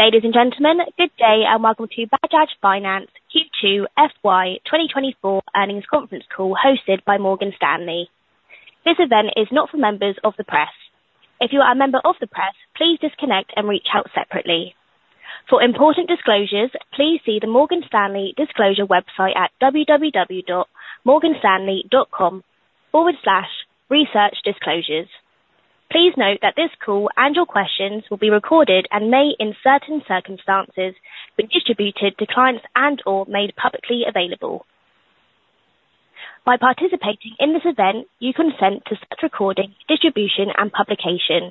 Ladies and gentlemen, good day, and welcome to Bajaj Finance Q2 FY 2024 earnings conference call, hosted by Morgan Stanley. This event is not for members of the press. If you are a member of the press, please disconnect and reach out separately. For important disclosures, please see the Morgan Stanley disclosure website at www.morganstanley.com/researchdisclosures. Please note that this call and your questions will be recorded and may, in certain circumstances, be distributed to clients and/or made publicly available. By participating in this event, you consent to such recording, distribution, and publication.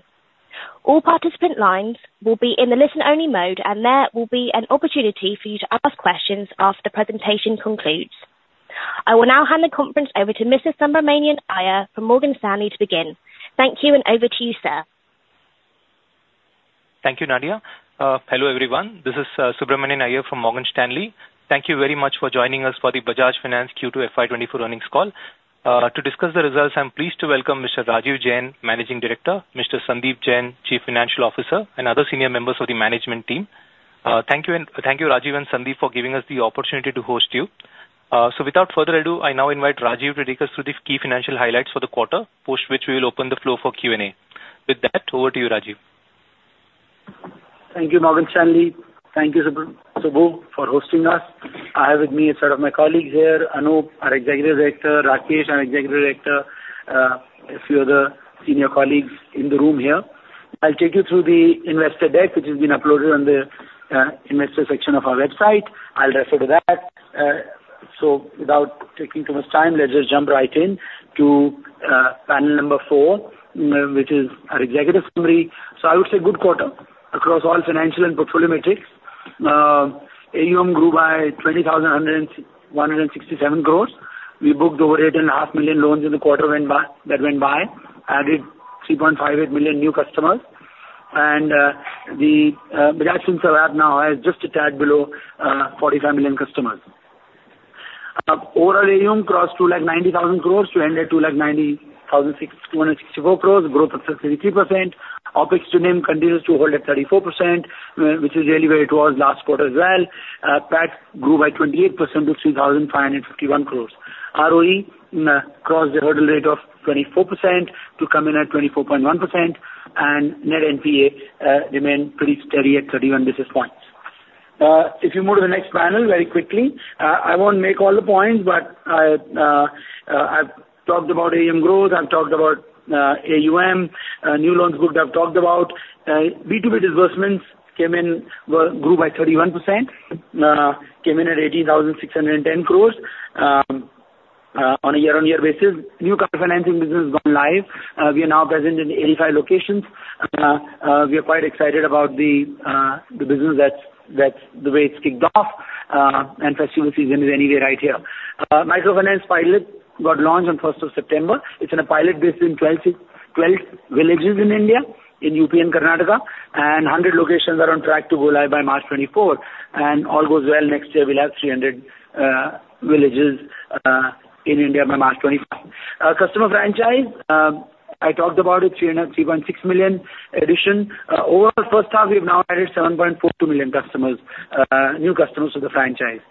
All participant lines will be in the listen-only mode, and there will be an opportunity for you to ask questions after the presentation concludes. I will now hand the conference over to Mr. Subramanian Iyer from Morgan Stanley to begin. Thank you, and over to you, sir. Thank you, Nadia. Hello, everyone. This is Subramanian Iyer from Morgan Stanley. Thank you very much for joining us for the Bajaj Finance Q2 FY 2024 earnings call. To discuss the results, I'm pleased to welcome Mr. Rajeev Jain, Managing Director, Mr. Sandeep Jain, Chief Financial Officer, and other senior members of the management team. Thank you, Rajeev and Sandeep, for giving us the opportunity to host you. So without further ado, I now invite Rajeev to take us through the key financial highlights for the quarter, post which we will open the floor for Q&A. With that, over to you, Rajeev. Thank you, Morgan Stanley. Thank you, Subbu, Subbu, for hosting us. I have with me some of my colleagues here, Anup, our Executive Director, Rakesh, our Executive Director, a few other senior colleagues in the room here. I'll take you through the investor deck, which has been uploaded on the investor section of our website. I'll refer to that. So without taking too much time, let's just jump right in to panel number four, which is our executive summary. So I would say good quarter across all financial and portfolio metrics. AUM grew by 21,167 crore. We booked over 8.5 million loans in the quarter that went by, added 3.58 million new customers. The Bajaj Finance wallet now has just a tad below 45 million customers. Overall AUM crossed 290,000 crore to end at 290,664 crore, growth of 33%. OpEx to NIM continues to hold at 34%, which is really where it was last quarter as well. PAT grew by 28% to 3,551 crore. ROE crossed the hurdle rate of 24% to come in at 24.1%, and Net NPA remained pretty steady at 31 basis points. If you move to the next panel very quickly, I won't make all the points, but I, I've talked about AUM growth, I've talked about AUM, new loans booked, I've talked about. B2B disbursements came in, well, grew by 31%, came in at 18,610 crore on a year-on-year basis. New car financing business has gone live. We are now present in 85 locations. We are quite excited about the business that's the way it's kicked off, and festival season is anyway right here. Microfinance pilot got launched on first of September. It's in a pilot based in 12 villages in India, in UP and Karnataka, and 100 locations are on track to go live by March 2024. And all goes well, next year we'll have 300 villages in India by March 2025. Our customer franchise, I talked about it, 303.6 million addition. Over the first half, we've now added 7.42 million customers, new customers to the franchise.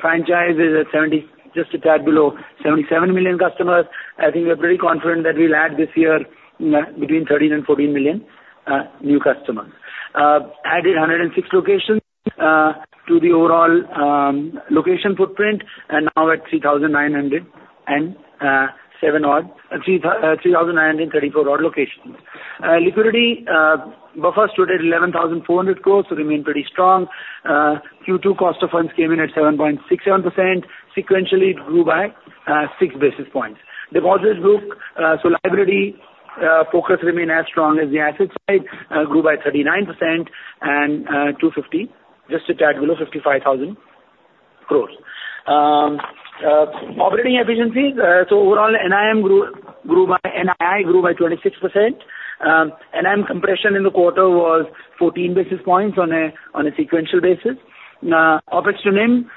Franchise is at 70, just a tad below 77 million customers. I think we are pretty confident that we'll add this year, between 13 and 14 million, new customers. Added 106 locations, to the overall, location footprint, and now at 3,907 odd, 3,934 odd locations. Liquidity, buffer stood at INR 11,400 crore, so remain pretty strong. Q2 cost of funds came in at 7.67%. Sequentially, it grew by 6 basis points. Deposits booked, so liability focus remain as strong as the asset side grew by 39% and 250, just a tad below 55,000 crore. Operating efficiency, so overall, NIM grew. NII grew by 26%. NIM compression in the quarter was 14 basis points on a sequential basis. OpEx to NIM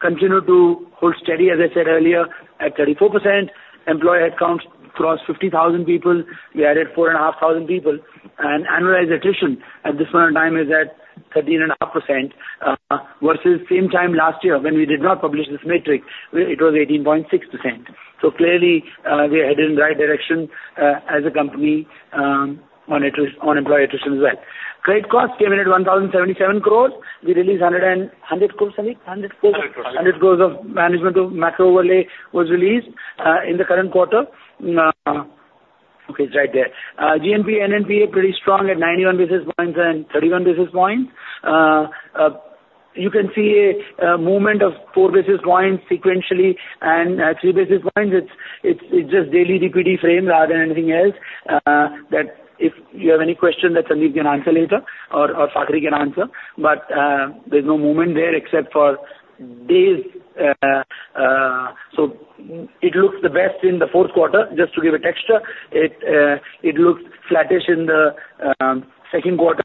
continued to hold steady, as I said earlier, at 34%. Employee headcount crossed 50,000 people. We added 4,500 people, and annualized attrition at this point in time is at 13.5%, versus same time last year, when we did not publish this metric, it was 18.6%. So clearly, we are headed in the right direction, as a company, on employee attrition as well. Credit costs came in at 1,077 crore. We released 100... 100 crore, Sandeep? 100 crore. Hundred crores. 100 crore of management of macro overlay was released in the current quarter. Okay, it's right there. GNPA and NPA pretty strong at 91 basis points and 31 basis points. You can see a movement of 4 basis points sequentially and 3 basis points. It's just daily DPD frame rather than anything else. That if you have any question, that Sandeep can answer later or Fakhari can answer, but there's no movement there except for days. So it looks the best in the fourth quarter, just to give a texture. It looks flattish in the second quarter.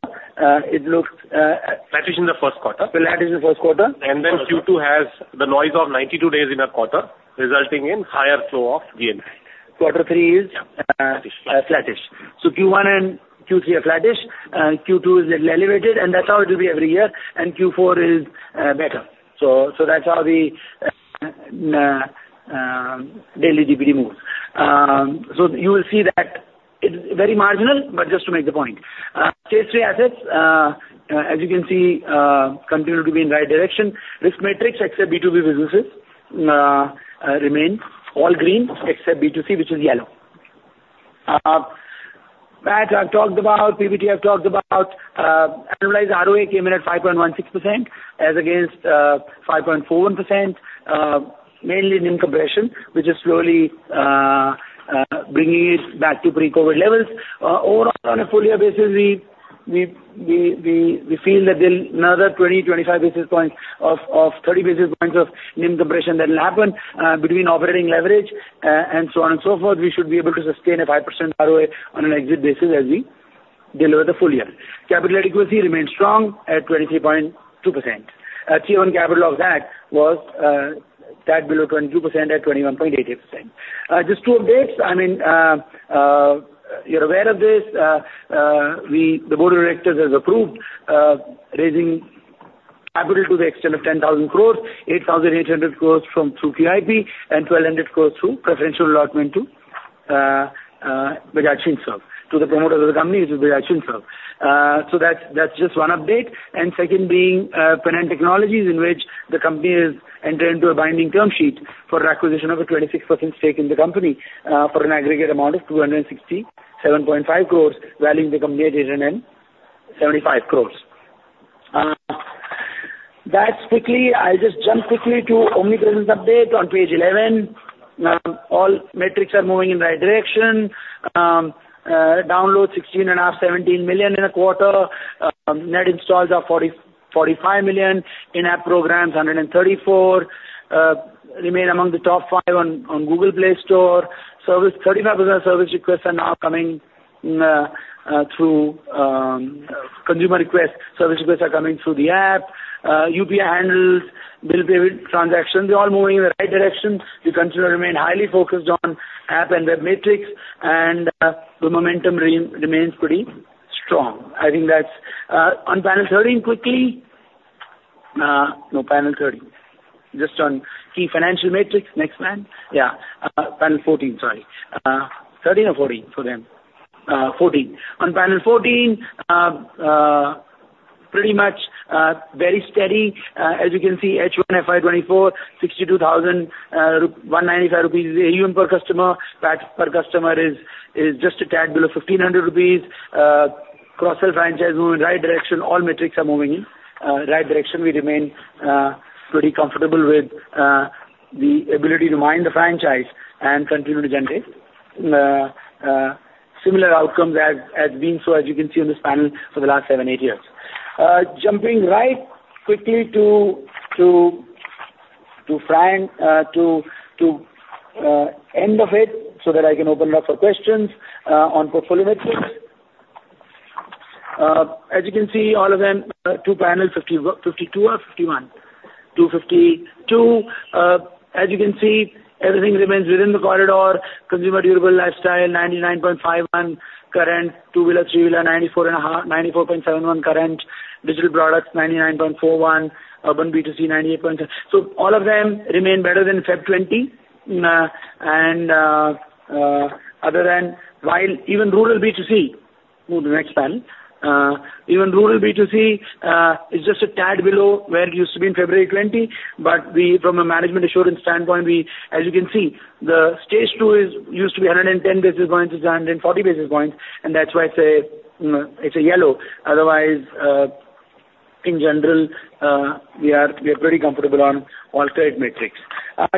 It looks, Flattish in the first quarter. Flattish in the first quarter. Then Q2 has the noise of 92 days in a quarter, resulting in higher flow of GNPA.... Quarter three is flattish. So Q1 and Q3 are flattish, Q2 is a little elevated, and that's how it will be every year, and Q4 is better. So, so that's how the daily DPD moves. So you will see that it's very marginal, but just to make the point. Stage 3 assets, as you can see, continue to be in the right direction. Risk matrix, except B2B businesses, remain all green, except B2C, which is yellow. That I've talked about, PBT I've talked about. Annualized ROA came in at 5.16%, as against 5.41% mainly NIM compression, which is slowly bringing it back to pre-COVID levels. Overall, on a full year basis, we feel that there's another 25-30 basis points of NIM compression that will happen between operating leverage and so on and so forth. We should be able to sustain a 5% ROA on an exit basis as we deliver the full year. Capital adequacy remains strong at 23.2%. Tier 1 capital of that was tad below 22% at 21.88%. Just two updates. I mean, you're aware of this, the Board of Directors has approved raising capital to the extent of 10,000 crore, 8,800 crore through QIP, and 1,200 crore through preferential allotment to Bajaj Finserv, to the promoter of the company, which is Bajaj Finserv. So that's, that's just one update. And second being, Pennant Technologies, in which the company has entered into a binding term sheet for an acquisition of a 26% stake in the company, for an aggregate amount of 267.5 crore, valuing the company at 875 crore. That's quickly... I'll just jump quickly to Omnipresence update on page 11. All metrics are moving in the right direction. Downloads 16.5-17 million in a quarter. Net installs are 45 million. In-app programs, 134. Remain among the top five on Google Play Store. 35% of service requests are now coming through the app. UPI handles, bill payment transactions, they're all moving in the right direction. We continue to remain highly focused on app and web metrics, and the momentum remains pretty strong. I think that's on panel 13, quickly. No, panel 13. Just on key financial metrics. Next slide. Yeah. Panel fourteen, sorry. 13 or 14 for them? 14. On panel 14, pretty much very steady. As you can see, H1 FY 2024, 62,000, 195 rupees AUM per customer. PAT per customer is, is just a tad below 1,500 rupees. Cross-sell franchise move in the right direction. All metrics are moving in right direction. We remain pretty comfortable with the ability to mine the franchise and continue to generate similar outcomes as being so, as you can see on this panel, for the last seven, eight years. Jumping right quickly to try and end of it, so that I can open it up for questions on portfolio mix. As you can see, all of them, two panels, 50-52 or 51? 252. As you can see, everything remains within the corridor. Consumer durable lifestyle, 99.51% current. Two-wheeler, three-wheeler, 94.5%, 94.71% current. Digital products, 99.41%. Urban B2C, 98 point- so all of them remain better than February 2020. Other than while even rural B2C, move to the next panel. Even rural B2C is just a tad below where it used to be in February 2020, but we, from a management assurance standpoint, we, as you can see, the Stage Two is used to be 110 basis points is 140 basis points, and that's why it's a, it's a yellow. Otherwise, in general, we are, we are pretty comfortable on all credit metrics.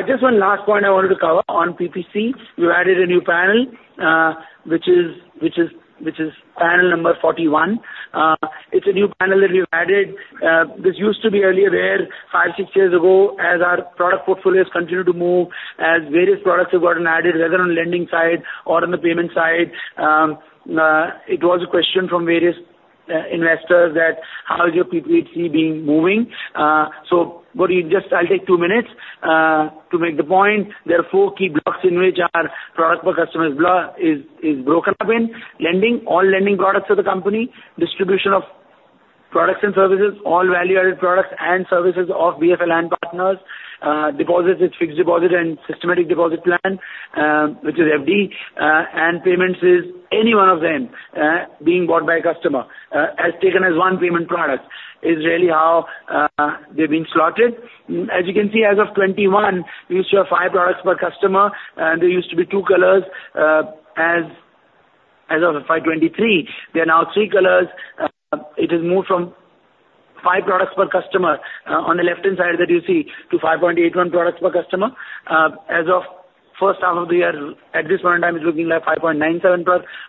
Just one last point I wanted to cover on PPC. We've added a new panel, which is panel number 41. It's a new panel that we've added. This used to be earlier, where five, six years ago, as our product portfolios continued to move, as various products have gotten added, whether on lending side or on the payment side, it was a question from various investors that, "How is your PPC being moving?" So what we just... I'll take two minutes to make the point. There are four key blocks in which our product per customer is broken up in. Lending, all lending products of the company, distribution of products and services, all value-added products and services of BFL and partners. Deposits is fixed deposit and systematic deposit plan, which is FD. And payments is any one of them being bought by a customer, as taken as one payment product, is really how they're being slotted. As you can see, as of 2021, we used to have five products per customer, and there used to be two colors. As of FY 2023, there are now three colors. It has moved from five products per customer, on the left-hand side that you see, to 5.81 products per customer. As of first half of the year, at this point in time, it's looking like 5.97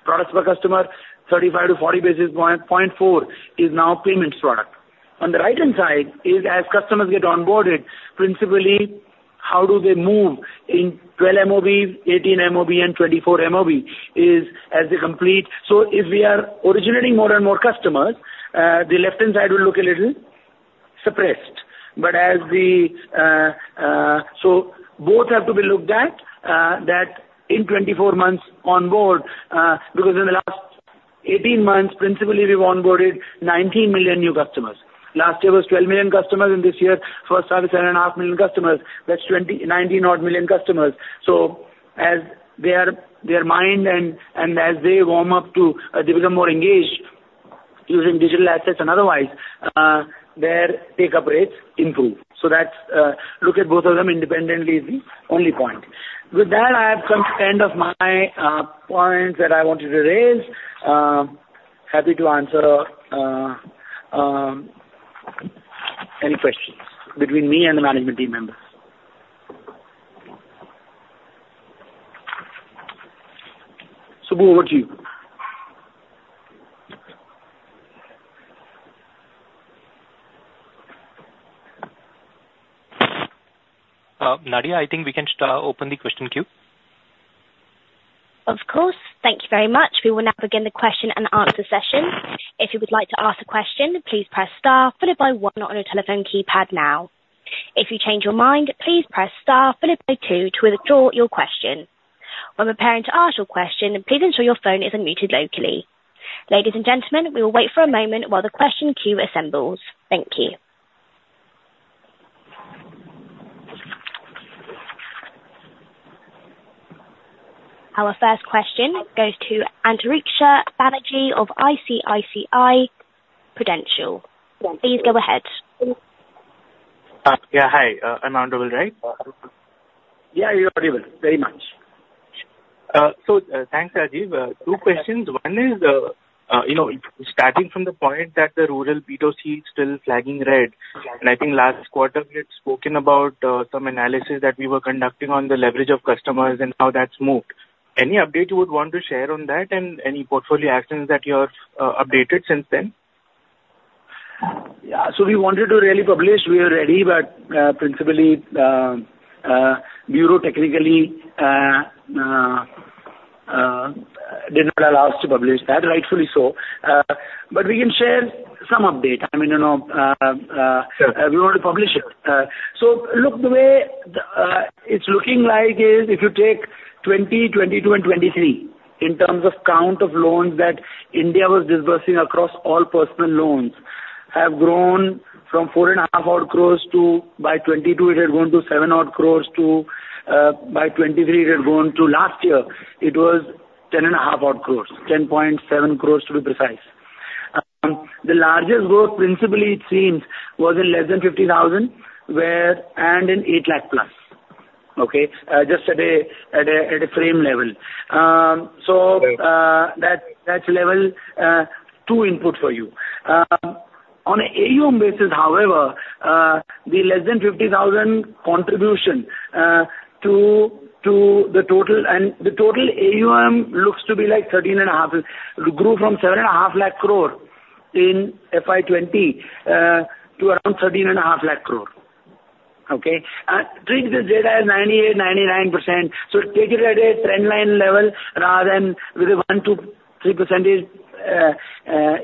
products per customer. 35-40 basis point, 0.4 is now payments product. On the right-hand side is as customers get onboarded, principally, how do they move in 12 MOB, 18 MOB, and 24 MOB, is as they complete. So if we are originating more and more customers, the left-hand side will look a little suppressed. But so both have to be looked at, that in 24 months on board, because in the last 18 months, principally, we've onboarded 19 million new customers. Last year was 12 million customers, and this year, first half, 7.5 million customers. That's 19 odd million customers. So as their mind and as they warm up to, they become more engaged using digital assets and otherwise, their take-up rates improve. So that's look at both of them independently is the only point. With that, I have come to the end of my points that I wanted to raise. Happy to answer any questions between me and the management team members. Subbu, over to you. Nadia, I think we can start opening the question queue. Of course. Thank you very much. We will now begin the question and answer session. If you would like to ask a question, please press star followed by one on your telephone keypad now. If you change your mind, please press star followed by two to withdraw your question. When preparing to ask your question, please ensure your phone is unmuted locally. Ladies and gentlemen, we will wait for a moment while the question queue assembles. Thank you. Our first question goes to Antariksha Banerjee of ICICI Prudential. Please go ahead. Yeah. Hi, I'm audible, right? Yeah, you're audible. Very much. So, thanks, Rajeev. Two questions. One is, you know, starting from the point that the rural B2C is still flagging red, and I think last quarter we had spoken about some analysis that we were conducting on the leverage of customers and how that's moved. Any update you would want to share on that and any portfolio actions that you have updated since then? Yeah. So we wanted to really publish. We are ready, but principally, bureau technically did not allow us to publish that, rightfully so. But we can share some update. I mean, you know. Sure. We want to publish it. So look, the way it's looking like is if you take 2020, 2022, and 2023, in terms of count of loans that India was disbursing across all personal loans, have grown from 4.5 odd crores to, by 2022, it had grown to 7 odd crores to, by 2023, it had grown to last year, it was 10.5 odd crores, 10.7 crores, to be precise. The largest growth, principally it seems, was in less than 50,000, where... and in 8 lakh+. Okay? Just at a frame level. So- Right. That, that's level two input for you. On an AUM basis, however, the less than 50,000 contribution to the total and the total AUM looks to be like 13.5. Grew from 750,000 crore in FY 2020 to around 1,350,000 crore. Okay? Treat this data as 98%-99%. So take it at a trend line level rather than with a 1-3 percentage,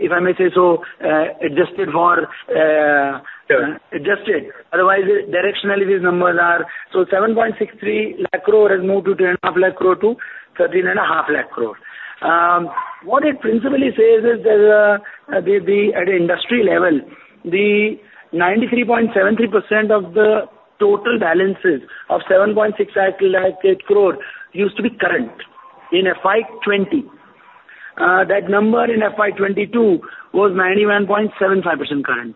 if I may say so, adjusted for- Sure. Adjusted. Otherwise, directionally, these numbers are... So 7.63 lakh crore has moved to 2.5 lakh crore to 13.5 lakh crore. What it principally says is that, the, the, at an industry level, the 93.73% of the total balances of 7.65 lakh crore used to be current in FY 2020. That number in FY 2022 was 91.75% current,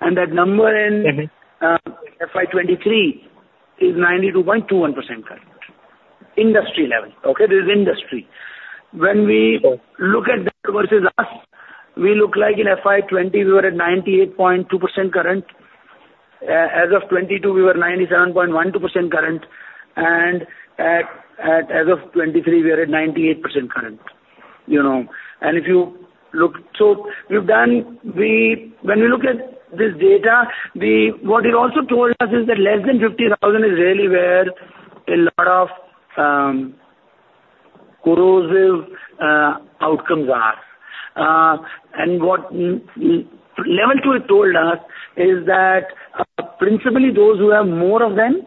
and that number in- Mm-hmm. FY 2023 is 92.21% current. Industry level, okay? This is industry. When we- Sure. Look at that versus us. We look like in FY 2020, we were at 98.2% current. As of 2022, we were 97.12% current, and as of 2023, we are at 98% current, you know. So when we look at this data, what it also told us is that less than 50,000 is really where a lot of corrosive outcomes are. And what level two has told us is that, principally, those who have more of them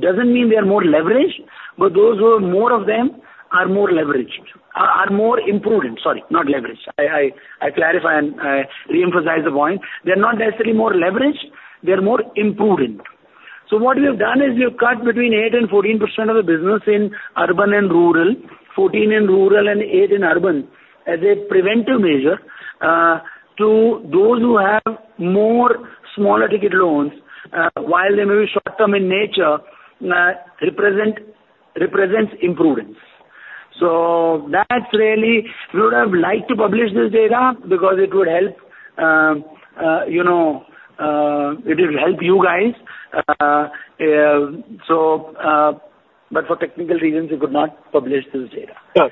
doesn't mean they are more leveraged, but those who have more of them are more leveraged. They are more imprudent, sorry, not leveraged. I clarify and I reemphasize the point. They're not necessarily more leveraged, they're more imprudent. So what we have done is we've cut between 8%-14% of the business in urban and rural, 14% in rural and 8% in urban, as a preventive measure, to those who have more smaller ticket loans, while they may be short-term in nature, represents imprudence. So that's really... We would have liked to publish this data because it would help, you know, it will help you guys. But for technical reasons, we could not publish this data. Sure.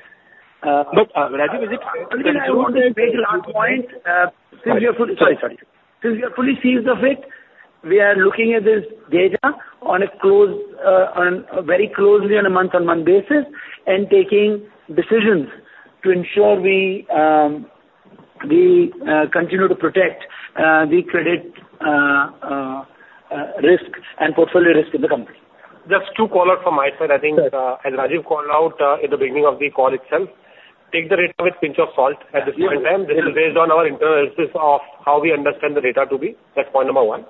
But, Rajeev, is it- Only I want to make a last point, since we are fully- Sorry, sorry. Since we are fully seized of it, we are looking at this data very closely on a month-on-month basis and taking decisions to ensure we continue to protect the credit risk and portfolio risk in the company. Just two call out from my side. I think, Sure. Rajeev called out in the beginning of the call itself, take the rate with a pinch of salt at this point in time. Yes. This is based on our internal analysis of how we understand the data to be. That's point number one.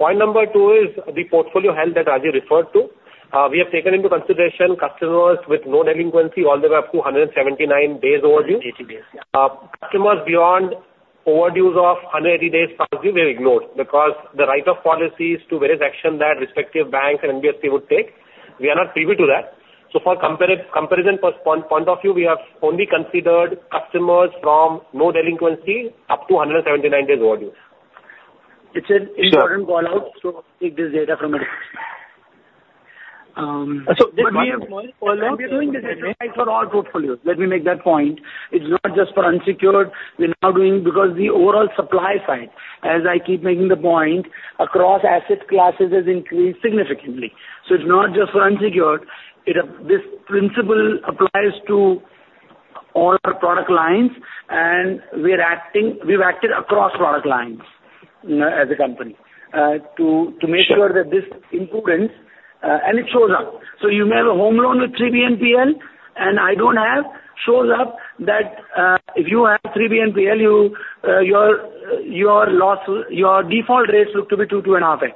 Point number two is the portfolio health that Rajeev referred to. We have taken into consideration customers with no delinquency all the way up to 179 days overdue. 18 days, yeah. Customers beyond overdues of 180 days overdue were ignored because the right of policies to various action that respective banks and NBFC would take, we are not privy to that. So for comparison perspective, point of view, we have only considered customers from no delinquency up to 179 days overdue. It's an- Sure. Important call out, so take this data from it. But we have for all portfolios. Let me make that point. It's not just for unsecured, we're now doing because the overall supply side, as I keep making the point, across asset classes has increased significantly. So it's not just for unsecured, it. This principle applies to all our product lines, and we are acting—we've acted across product lines, as a company, to, Sure. To make sure that this improvement, and it shows up. So you may have a home loan with 3 BNPL, shows up that if you have 3 BNPL, you, your loss, your default rates look to be 2-2.5x,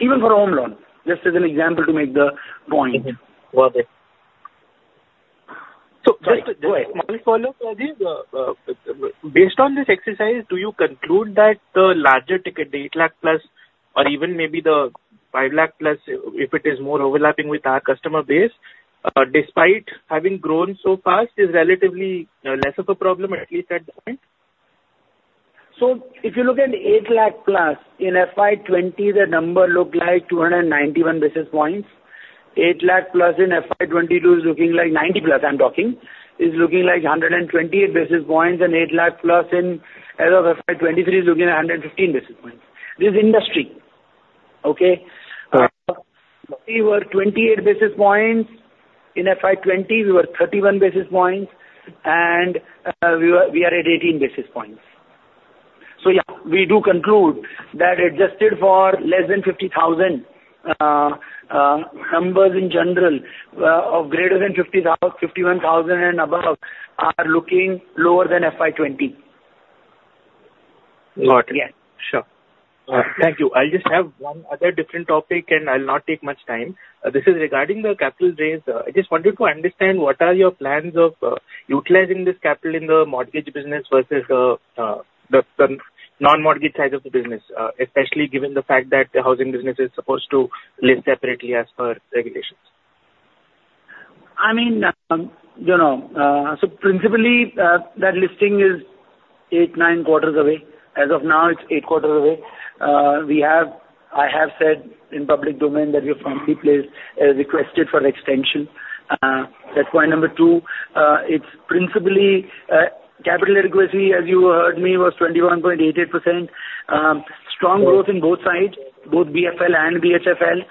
even for home loan. Just as an example to make the point. Mm-hmm. Got it. So just- Go ahead. One follow-up, Rajeev. Based on this exercise, do you conclude that the larger ticket, 8 lakh+ or even maybe the 5 lakh+, if it is more overlapping with our customer base, despite having grown so fast, is relatively less of a problem, at least at that point? So if you look at 8 lakh+, in FY 2020, the number looked like 291 basis points. 8 lakh+ in FY 2022 is looking like 90+, I'm talking, is looking like 128 basis points, and 8 lakh+ as of FY 2023 is looking at 115 basis points. This is industry. Okay? Got it. We were 28 basis points, in FY 2020 we were 31 basis points, and we are at 18 basis points. So yeah, we do conclude that adjusted for less than 50,000, numbers in general of greater than 50,000, 51,000 and above are looking lower than FY 2020. Got it. Yeah. Sure. Thank you. I just have one other different topic, and I'll not take much time. This is regarding the capital raise. I just wanted to understand what are your plans of utilizing this capital in the mortgage business versus the non-mortgage side of the business, especially given the fact that the housing business is supposed to live separately as per regulations? I mean, you know, so principally, that listing is eight-nine quarters away. As of now, it's eight quarters away. I have said in public domain that we have promptly placed requested for extension. It's principally, capital adequacy, as you heard me, was 21.88%. Strong growth- Sure. in both sides, both BFL and BHFL.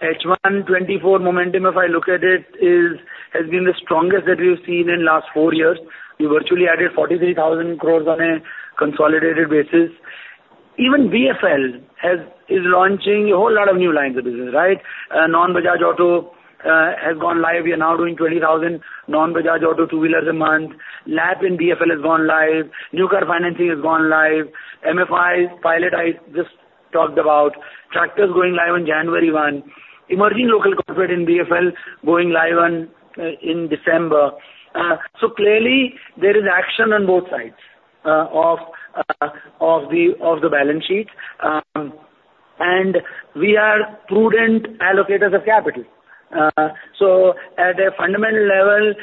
H1 2024 momentum, if I look at it, is, has been the strongest that we've seen in last four years. We virtually added 43,000 crore on a consolidated basis. Even BFL has, is launching a whole lot of new lines of business, right? non-Bajaj Auto, has gone live. We are now doing 20,000 non-Bajaj Auto two-wheelers a month. LAP in BFL has gone live. New car financing has gone live. MFI's pilot, I just talked about. Tractors going live on January 1. Emerging Local Corporates in BFL going live on, in December. so clearly there is action on both sides, of, of the, of the balance sheet. and we are prudent allocators of capital. so at a fundamental level,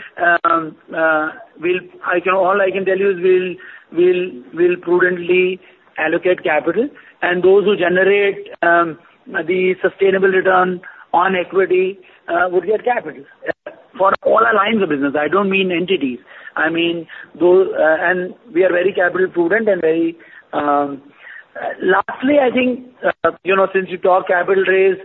we'll... I can, all I can tell you is we'll prudently allocate capital, and those who generate the sustainable return on equity would get capital for all our lines of business. I don't mean entities. I mean, those... and we are very capital prudent and very... Lastly, I think, you know, since you talked capital raise,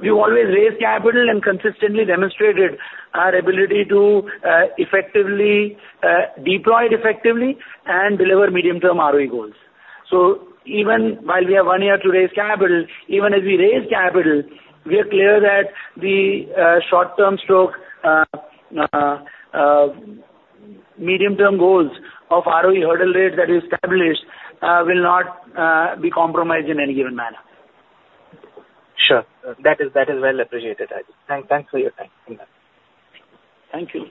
we've always raised capital and consistently demonstrated our ability to effectively deploy it effectively and deliver medium-term ROE goals. So even while we have one year to raise capital, even as we raise capital, we are clear that the short-term stroke medium-term goals of ROE hurdle rate that is established will not be compromised in any given manner. Sure. That is well appreciated, Rajeev. Thanks for your time. Thank you.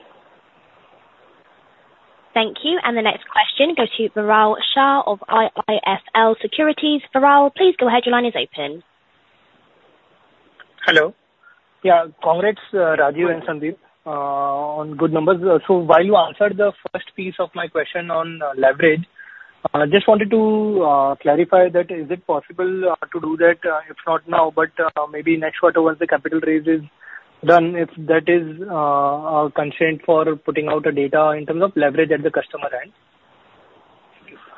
Thank you. The next question goes to Viral Shah of IIFL Securities. Viral, please go ahead. Your line is open. Hello. Yeah, congrats, Rajeev and Sandeep, on good numbers. So while you answered the first piece of my question on leverage, just wanted to clarify that is it possible to do that, if not now, but maybe next quarter once the capital raise is done, if that is a constraint for putting out the data in terms of leverage at the customer end?...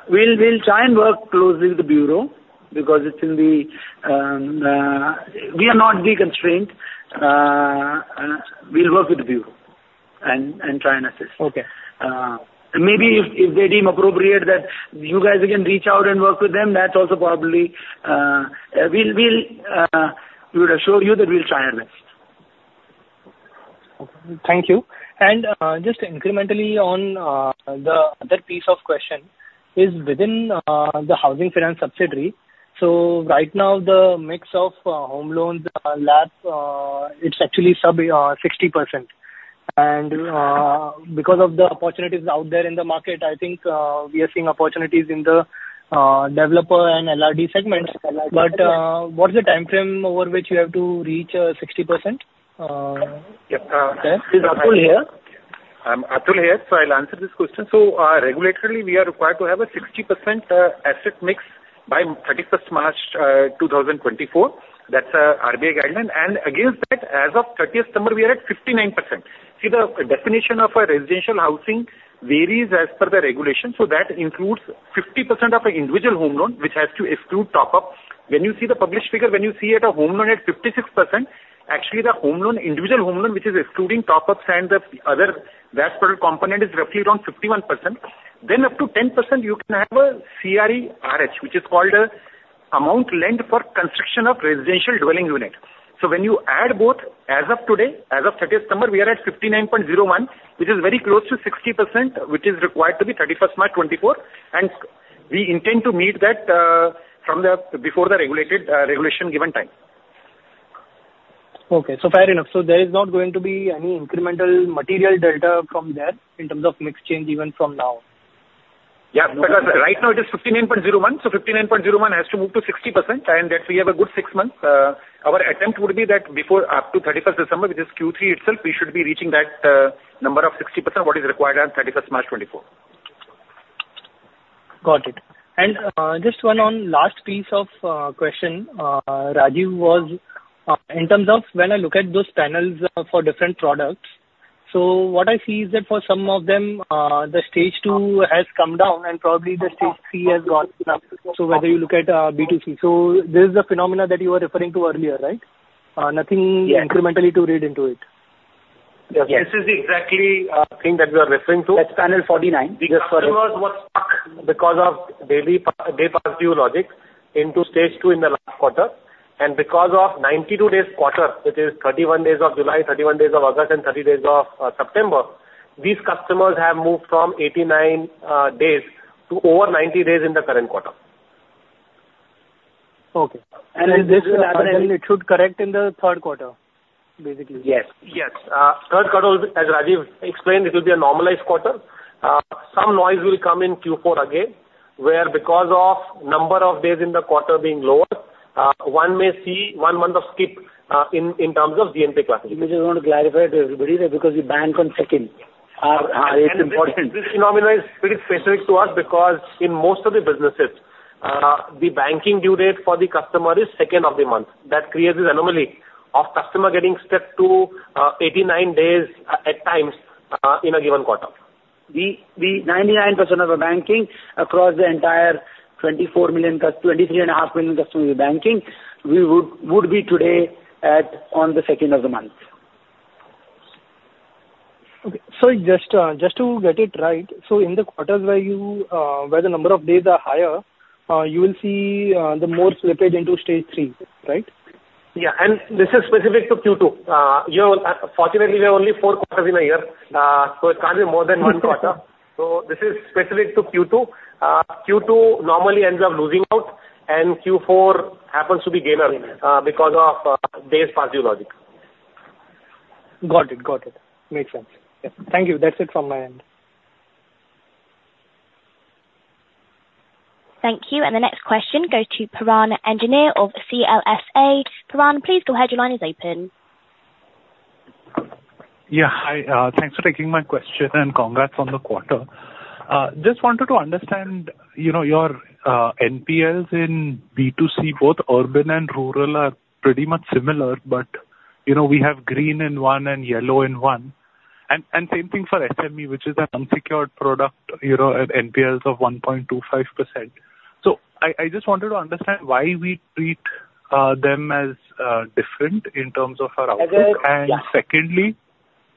We'll try and work closely with the bureau because it will be, we are not the constraint. We'll work with the bureau and try and assist. Okay. Maybe if they deem appropriate that you guys again reach out and work with them, that's also probably. We would assure you that we'll try our best. Thank you. And just incrementally on the other piece of question is within the housing finance subsidiary. So right now, the mix of home loans LAPs, it's actually sub 60%. And because of the opportunities out there in the market, I think we are seeing opportunities in the developer and LRD segments. But what is the timeframe over which you have to reach 60%? Is Atul here? I'm Atul here, so I'll answer this question. Regulatorily, we are required to have a 60% asset mix by 31st March 2024. That's a RBI guideline. And against that, as of 30th December, we are at 59%. See, the definition of a residential housing varies as per the regulation, so that includes 50% of an individual home loan, which has to exclude top-up. When you see the published figure, when you see at a home loan at 56%, actually the home loan, individual home loan, which is excluding top-ups and the other VAS product component, is roughly around 51%. Then, up to 10%, you can have a CRE-RH, which is called an amount lent for construction of residential dwelling unit. When you add both, as of today, as of 30th December, we are at 59.01, which is very close to 60%, which is required to be 31st March 2024, and we intend to meet that before the regulated regulation given time. Okay. So fair enough. So there is not going to be any incremental material delta from there in terms of mix change even from now? Yes, because right now it is 59.01. So 59.01 has to move to 60%, and that we have a good six months. Our attempt would be that before, up to 31st December, which is Q3 itself, we should be reaching that number of 60%, what is required on 31st March 2024. Got it. And just one on last piece of question, Rajeev, was in terms of when I look at those panels for different products, so what I see is that for some of them, the Stage Two has come down and probably the stage three has gone up. So whether you look at B2C. So this is the phenomenon that you were referring to earlier, right? Nothing- Yes. incrementally to read into it? Yes. This is exactly, thing that we are referring to.. That's panel 49. The customers were stuck because of daily, day overdue logic into Stage Two in the last quarter. And because of 92-day quarter, that is 31 days of July, 31 days of August, and 30 days of September, these customers have moved from 89 days to over 90 days in the current quarter. Okay. This will happen, it should correct in the third quarter, basically? Yes. Yes. Third quarter, as Rajeev explained, it will be a normalized quarter. Some noise will come in Q4 again, where because of number of days in the quarter being lower, one may see one month of skip in terms of GNPA classification. We just want to clarify to everybody that because we bank on second, it's important. This phenomenon is pretty specific to us because in most of the businesses, the banking due date for the customer is second of the month. That creates this anomaly of customer getting stuck to 89 days, at times, in a given quarter. The 99% of the banking across the entire 24 million, 23.5 million customers with banking, we would be today at, on the second of the month. Okay. So just, just to get it right, so in the quarters where you, where the number of days are higher, you will see the more slippage into Stage Three, right? Yeah. This is specific to Q2. You know, fortunately, we have only four quarters in a year, so it can't be more than one quarter. This is specific to Q2. Q2 normally ends up losing out, and Q4 happens to be gainer, because of days overdue logic. Got it, got it. Makes sense. Yeah. Thank you. That's it from my end. Thank you. And the next question goes to Piran Engineer of CLSA. Piran, please go ahead. Your line is open. Yeah. Hi, thanks for taking my question, and congrats on the quarter. Just wanted to understand, you know, your NPLs in B2C, both urban and rural, are pretty much similar, but, you know, we have green in one and yellow in one. And same thing for SME, which is an unsecured product, you know, at NPLs of 1.25%. So I just wanted to understand why we treat them as different in terms of our outlook. Yeah. And secondly,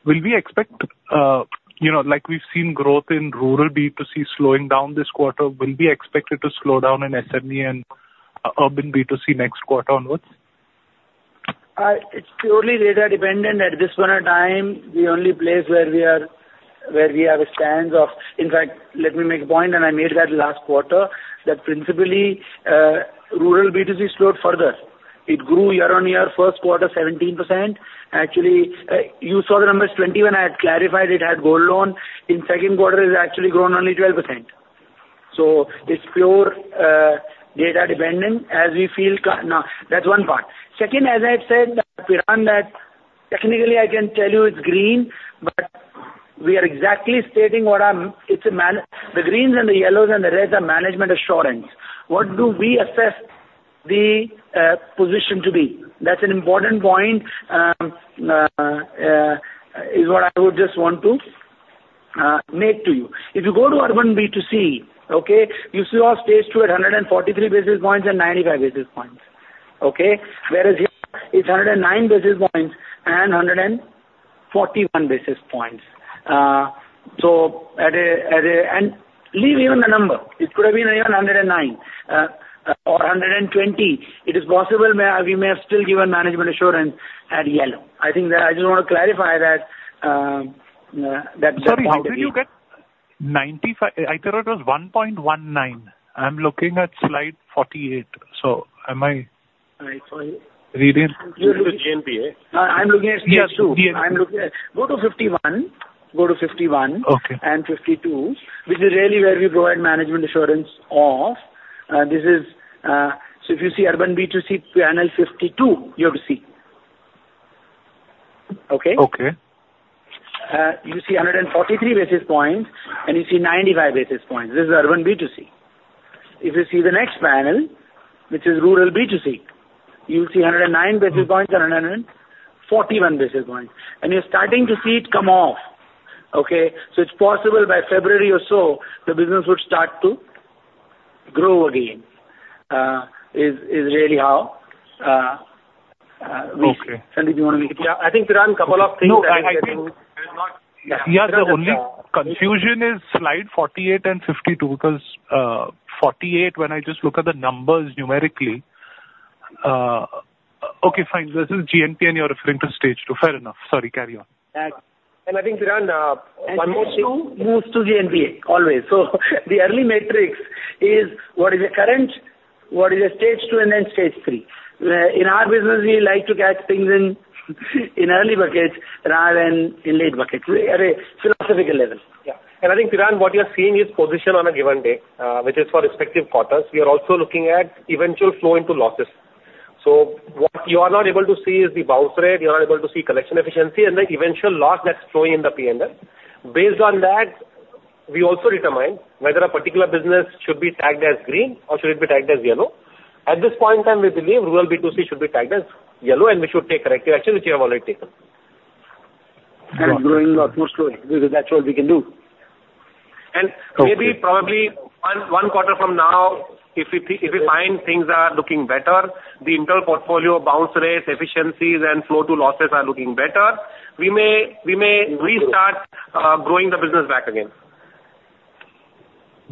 will we expect, you know, like, we've seen growth in rural B2C slowing down this quarter, will we expect it to slow down in SME and urban B2C next quarter onwards? It's purely data dependent. At this point in time, the only place where we are, where we have a stance of... In fact, let me make a point, and I made that last quarter, that principally, rural B2C slowed further. It grew year-on-year, first quarter, 17%. Actually, you saw the numbers, 20, when I had clarified it had gold loan. In second quarter, it's actually grown only 12%. So it's pure, data dependent as we feel. Now, that's one part. Second, as I've said, Piran, that technically I can tell you it's green, but we are exactly stating what I'm-- it's a man... The greens and the yellows and the reds are management assurance. What do we assess?... the, position to be. That's an important point, is what I would just want to make to you. If you go to urban B2C, okay, you see our Stage Two at 143 basis points and 95 basis points, okay? Whereas here, it's 109 basis points and 141 basis points. So at a, at a and leave even the number, it could have been even 109, or 120. It is possible may, we may have still given management assurance at yellow. I think that I just want to clarify that point. Sorry, how did you get 95? I thought it was 1.19. I'm looking at slide 48, so am I- I'm sorry. Reading. GNPA. I'm looking at Stage Two. Go to 51. Okay. 52, which is really where we provide management assurance off. This is, so if you see urban B2C, panel 52, you have to see. Okay? Okay. You see 143 basis points, and you see 95 basis points. This is urban B2C. If you see the next panel, which is rural B2C, you'll see 109 basis points and 141 basis points. And you're starting to see it come off, okay? So it's possible by February or so, the business would start to grow again, is really how. Okay. Sandy, do you want to make? Yeah, I think, Piran, couple of things- No, I think. Yeah, the only confusion is slide 48 and 52, because, 48, when I just look at the numbers numerically... Okay, fine. This is GNPA, and you're referring to Stage Two. Fair enough. Sorry, carry on. I think, Piran, one more thing. Stage Two moves to GNPA, always. So the early matrix is what is the current, what is a Stage Two and then Stage Three. In our business, we like to catch things in early buckets rather than in late buckets, at a philosophical level. Yeah. And I think, Piran, what you are seeing is position on a given day, which is for respective quarters. We are also looking at eventual flow into losses. So what you are not able to see is the bounce rate, you are not able to see collection efficiency, and the eventual loss that's flowing in the PNL. Based on that, we also determine whether a particular business should be tagged as green or should it be tagged as yellow. At this point in time, we believe rural B2C should be tagged as yellow, and we should take corrective action, which you have already taken. Growing a lot more slowly, because that's what we can do. And- Okay. Maybe probably 1, 1 quarter from now, if we, if we find things are looking better, the internal portfolio bounce rates, efficiencies, and flow to losses are looking better, we may, we may restart growing the business back again.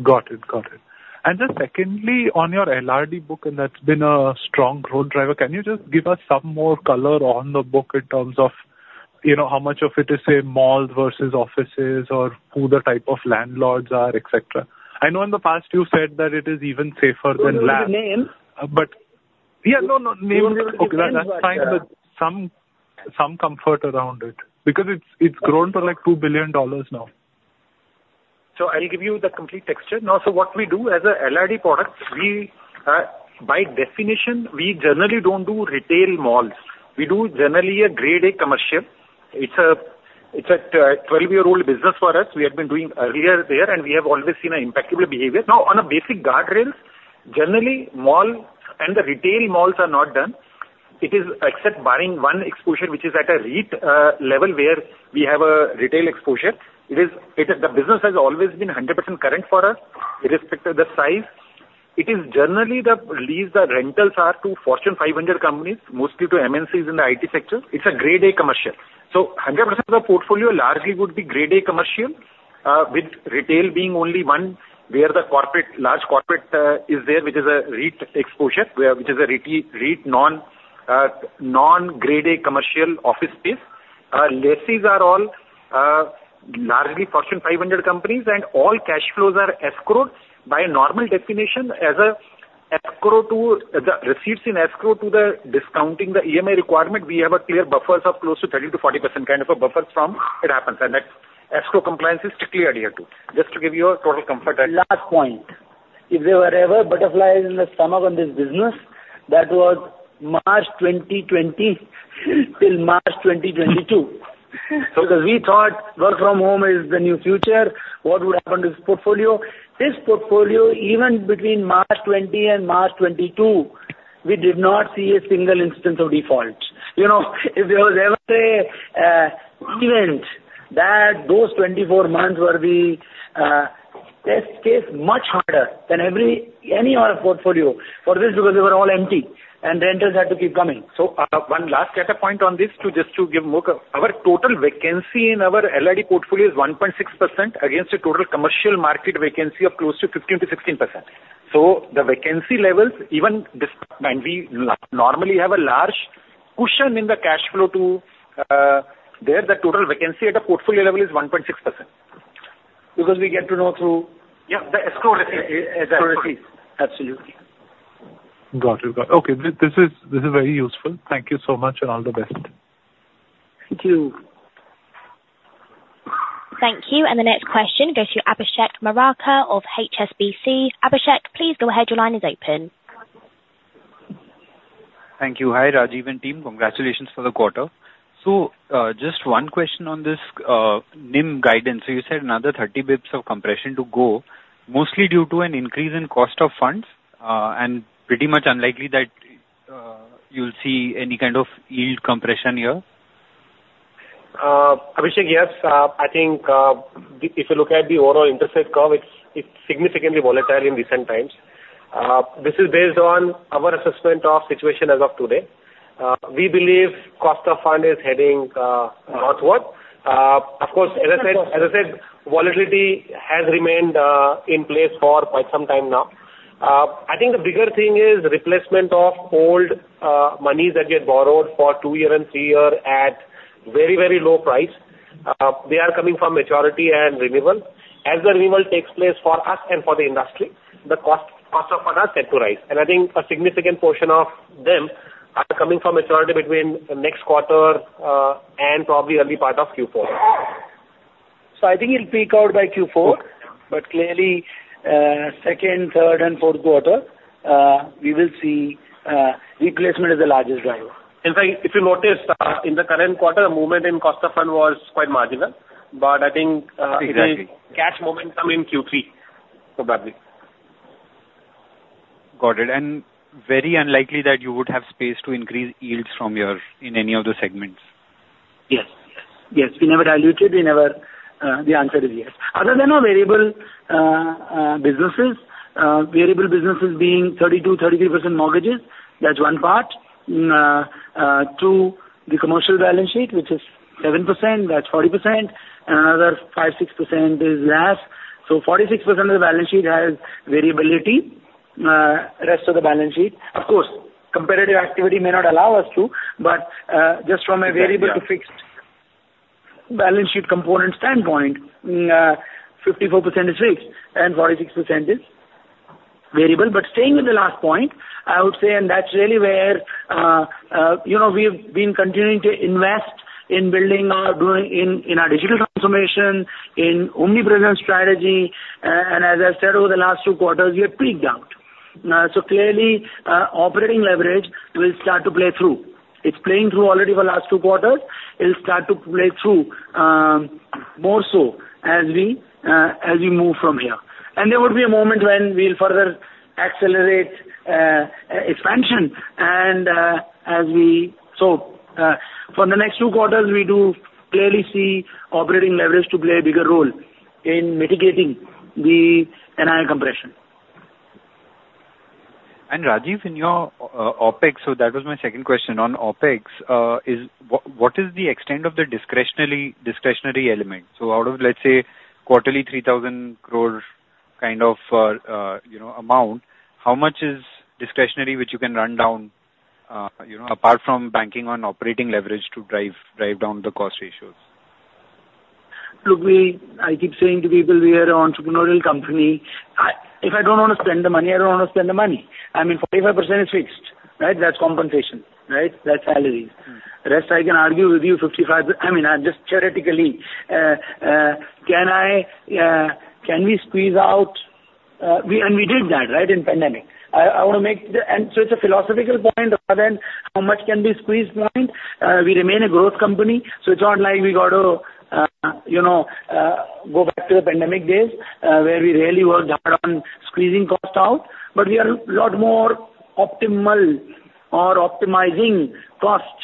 Got it. Got it. And then secondly, on your LRD book, and that's been a strong growth driver, can you just give us some more color on the book in terms of, you know, how much of it is, say, malls versus offices, or who the type of landlords are, et cetera? I know in the past you've said that it is even safer than land. Do you want me to name? But, yeah, no, no, names. Okay, that's fine, but some comfort around it, because it's grown to, like, $2 billion now. So I'll give you the complete picture. Now, so what we do as a LRD product, we, by definition, we generally don't do retail malls. We do generally a Grade A commercial. It's a, it's a, 12-year-old business for us. We have been doing earlier there, and we have always seen an impeccable behavior. Now, on a basic guard rails, generally, mall and the retail malls are not done. It is except barring one exposure, which is at a REIT level, where we have a retail exposure. It is. The business has always been 100% current for us, irrespective the size. It is generally the lease, the rentals are to Fortune 500 companies, mostly to MNCs in the IT sector. It's a Grade A commercial. So 100% of the portfolio largely would be Grade A commercial, with retail being only one, where the corporate, large corporate, is there, which is a REIT exposure, where- which is a REIT, non, non-Grade A commercial office space. Lessees are all largely Fortune 500 companies, and all cash flows are escrowed. By normal definition, as a escrow to... The receipts in escrow to the discounting the EMI requirement, we have a clear buffers of close to 30%-40% kind of a buffer from it happens, and that escrow compliance is strictly adhered to. Just to give you a total comfort that- Last point. If there were ever butterflies in the stomach on this business, that was March 2020 till March 2022. Because we thought work from home is the new future. What would happen to this portfolio? This portfolio, even between March 2020 and March 2022, we did not see a single instance of default. You know, if there was ever a event that those 24 months were the test case, much harder than every, any other portfolio. For this, because they were all empty, and renters had to keep coming. So, one last data point on this, to just to give more... Our total vacancy in our LRD portfolio is 1.6%, against a total commercial market vacancy of close to 15%-16%. So the vacancy levels, even this, and we normally have a large cushion in the cash flow to, there, the total vacancy at the portfolio level is 1.6%. Because we get to know through- Yeah, the escrow receipts. The escrow receipts. Absolutely. Got it. Got it. Okay, this is, this is very useful. Thank you so much, and all the best. Thank you. Thank you. And the next question goes to Abhishek Murarka of HSBC. Abhishek, please go ahead. Your line is open. ...Thank you. Hi, Rajeev and team. Congratulations for the quarter. So, just one question on this, NIM guidance. So you said another 30 bps of compression to go, mostly due to an increase in cost of funds, and pretty much unlikely that, you'll see any kind of yield compression here? Abhishek, yes. I think, if you look at the overall interest rate curve, it's, it's significantly volatile in recent times. This is based on our assessment of situation as of today. We believe cost of fund is heading, northward. Of course, as I said, as I said, volatility has remained, in place for quite some time now. I think the bigger thing is replacement of old, monies that get borrowed for two-year and three-year at very, very low price. They are coming from maturity and renewal. As the renewal takes place for us and for the industry, the cost, cost of fund are set to rise, and I think a significant portion of them are coming from maturity between the next quarter, and probably early part of Q4. So I think it'll peak out by Q4, but clearly, second, third and fourth quarter, we will see, replacement is the largest driver. In fact, if you notice, in the current quarter, movement in cost of fund was quite marginal, but I think, Exactly. It will catch momentum in Q3, probably. Got it. Very unlikely that you would have space to increase yields from your, in any of the segments? Yes. Yes, we never diluted, we never... The answer is yes. Other than our variable businesses being 32%-33% mortgages, that's one part. Two, the commercial balance sheet, which is 7%, that's 40%. Another 5%-6% is less. So 46% of the balance sheet has variability, rest of the balance sheet. Of course, competitive activity may not allow us to, but just from a variable- Yeah. -to-fixed balance sheet component standpoint, 54% is fixed and 46% is variable. But staying with the last point, I would say, and that's really where, you know, we've been continuing to invest in building our, doing in, in our digital transformation, in omnipresent strategy. And as I said, over the last two quarters, we have peaked out. So clearly, operating leverage will start to play through. It's playing through already for the last two quarters. It'll start to play through, more so as we, as we move from here. And there will be a moment when we'll further accelerate, expansion and, as we... So, for the next two quarters, we do clearly see operating leverage to play a bigger role in mitigating the NII compression. Rajeev, in your OpEx, so that was my second question on OpEx. What, what is the extent of the discretionary, discretionary element? So out of, let's say, quarterly 3,000 crore kind of, you know, amount, how much is discretionary, which you can run down, you know, apart from banking on operating leverage to drive, drive down the cost ratios? Look, we... I keep saying to people, we are an entrepreneurial company. If I don't want to spend the money, I don't want to spend the money. I mean, 45% is fixed, right? That's compensation, right? That's salaries. Mm. Rest, I can argue with you 55, I mean, just theoretically, can I, can we squeeze out, we and we did that, right? In pandemic. I, I want to make the... So it's a philosophical point rather than how much can we squeeze point. We remain a growth company, so it's not like we got to, you know, go back to the pandemic days, where we really worked hard on squeezing cost out, but we are a lot more optimal or optimizing cost,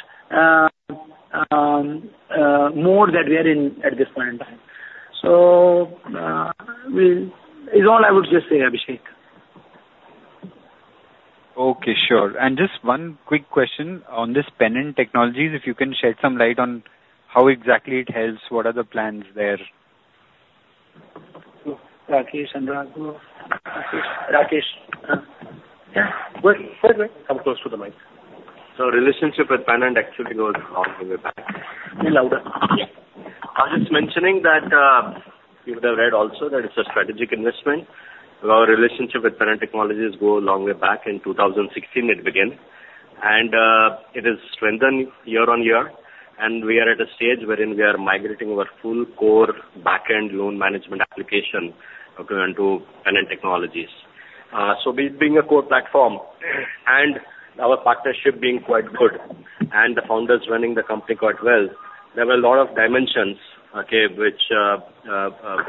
more than we are in at this point in time. So, is all I would just say, Abhishek. Okay, sure. And just one quick question on this Pennant Technologies, if you can shed some light on how exactly it helps, what are the plans there? Rakesh and Raghav. Rakesh? Rakesh, yeah. Go ahead. Come close to the mic. Relationship with Pennant actually goes a long way back. Speak louder. Yeah. I was just mentioning that you would have read also that it's a strategic investment. Our relationship with Pennant Technologies go a long way back. In 2016 it began, and it has strengthened year-on-year. And we are at a stage wherein we are migrating our full core backend loan management application, okay, into Pennant Technologies. So we being a core platform, and our partnership being quite good, and the founders running the company quite well, there were a lot of dimensions, okay, which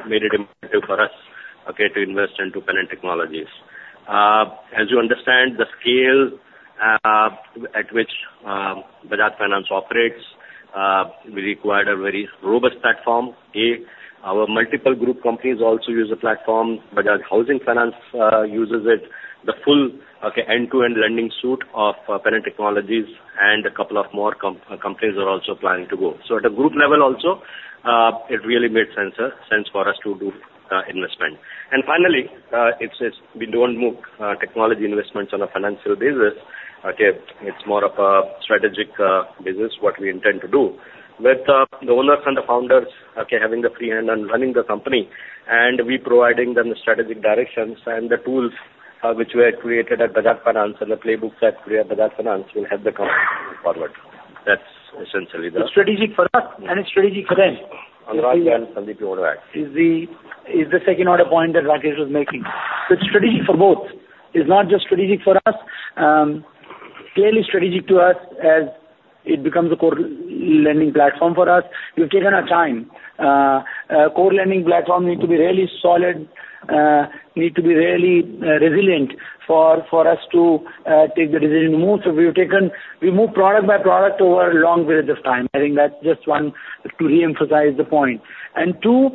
made it imperative for us, okay, to invest into Pennant Technologies. As you understand, the scale at which Bajaj Finance operates, we required a very robust platform, okay? Our multiple group companies also use the platform. Bajaj Housing Finance uses it, the full, okay, end-to-end lending suite of Pennant Technologies, and a couple of more companies are also planning to go. So at a group level also, it really made sense for us to do investment. And finally, it's we don't make technology investments on a financial basis, okay? It's more of a strategic business, what we intend to do. With the owners and the founders, okay, having the free hand on running the company, and we providing them the strategic directions and the tools which were created at Bajaj Finance and the playbooks at Bajaj Finance will help the company moving forward.... essentially, it's strategic for us, and it's strategic for them. Rajeev and Sandeep, you want to add? Is the second order point that Rakesh was making. So it's strategic for both. It's not just strategic for us, clearly strategic to us as it becomes a core lending platform for us. We've taken our time. Core lending platform need to be really solid, need to be really resilient for us to take the decision to move. So we've taken... We moved product by product over a long period of time. I think that's just one, to reemphasize the point. And two,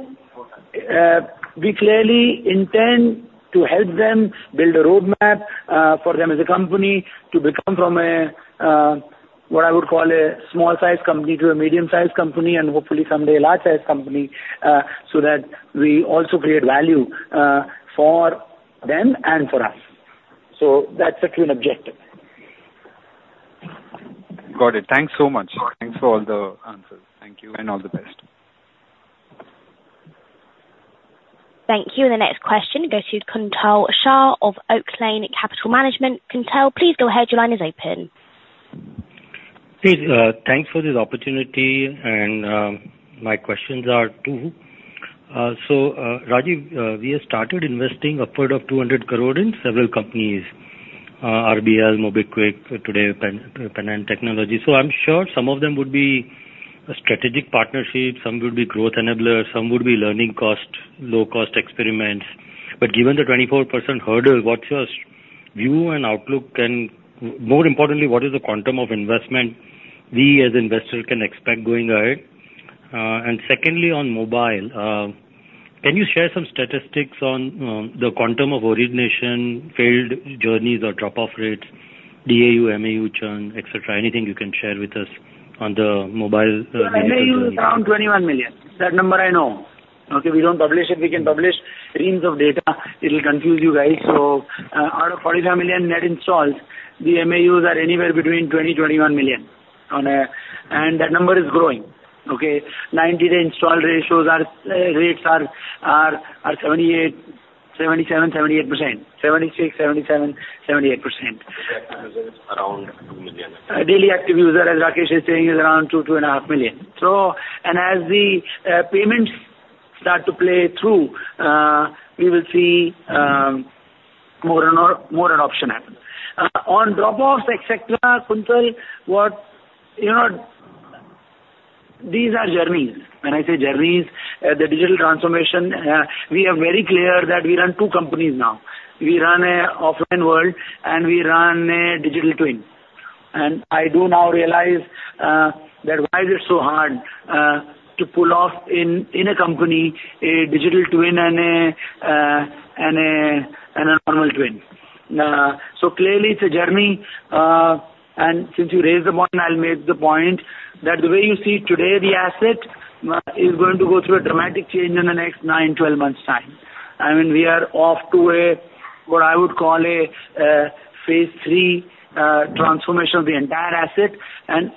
we clearly intend to help them build a roadmap for them as a company to become from a what I would call a small-sized company to a medium-sized company, and hopefully someday a large-sized company, so that we also create value for them and for us. So that's a twin objective. Got it. Thanks so much. Thanks for all the answers. Thank you, and all the best. Thank you. The next question goes to Kuntal Shah of Oaklane Capital Management. Kuntal, please go ahead. Your line is open. Please, thanks for this opportunity, and, my questions are two. So, Rajeev, we have started investing upward of 200 crore in several companies, RBL, MobiKwik, today, Pennant Technologies. So I'm sure some of them would be a strategic partnership, some would be growth enablers, some would be learning cost, low-cost experiments. But given the 24% hurdle, what's your view and outlook? And more importantly, what is the quantum of investment we as investors can expect going ahead? And secondly, on mobile, can you share some statistics on, the quantum of origination, failed journeys or drop-off rates, DAU, MAU, churn, et cetera? Anything you can share with us on the mobile, MAU is around 21 million. That number I know. Okay, we don't publish it. We can publish reams of data. It'll confuse you guys. So, out of 45 million net installs, the MAUs are anywhere between 20, 21 million on a... And that number is growing, okay? 90-day install ratios are rates are 78%, 77%, 78%. 76%, 77%, 78%. Around 2 million. Daily active user, as Rakesh is saying, is around 2-2.5 million. So, and as the payments start to play through, we will see more and more, more adoption happen. On drop-offs, et cetera, Kuntal, what... You know, these are journeys. When I say journeys, the digital transformation, we are very clear that we run two companies now. We run a offline world, and we run a digital twin. And I do now realize that why is it so hard to pull off in a company, a digital twin and a normal twin? So clearly it's a journey, and since you raised the point, I'll make the point, that the way you see today the asset is going to go through a dramatic change in the next nine, 12 months' time. I mean, we are off to a, what I would call a, phase three transformation of the entire asset. And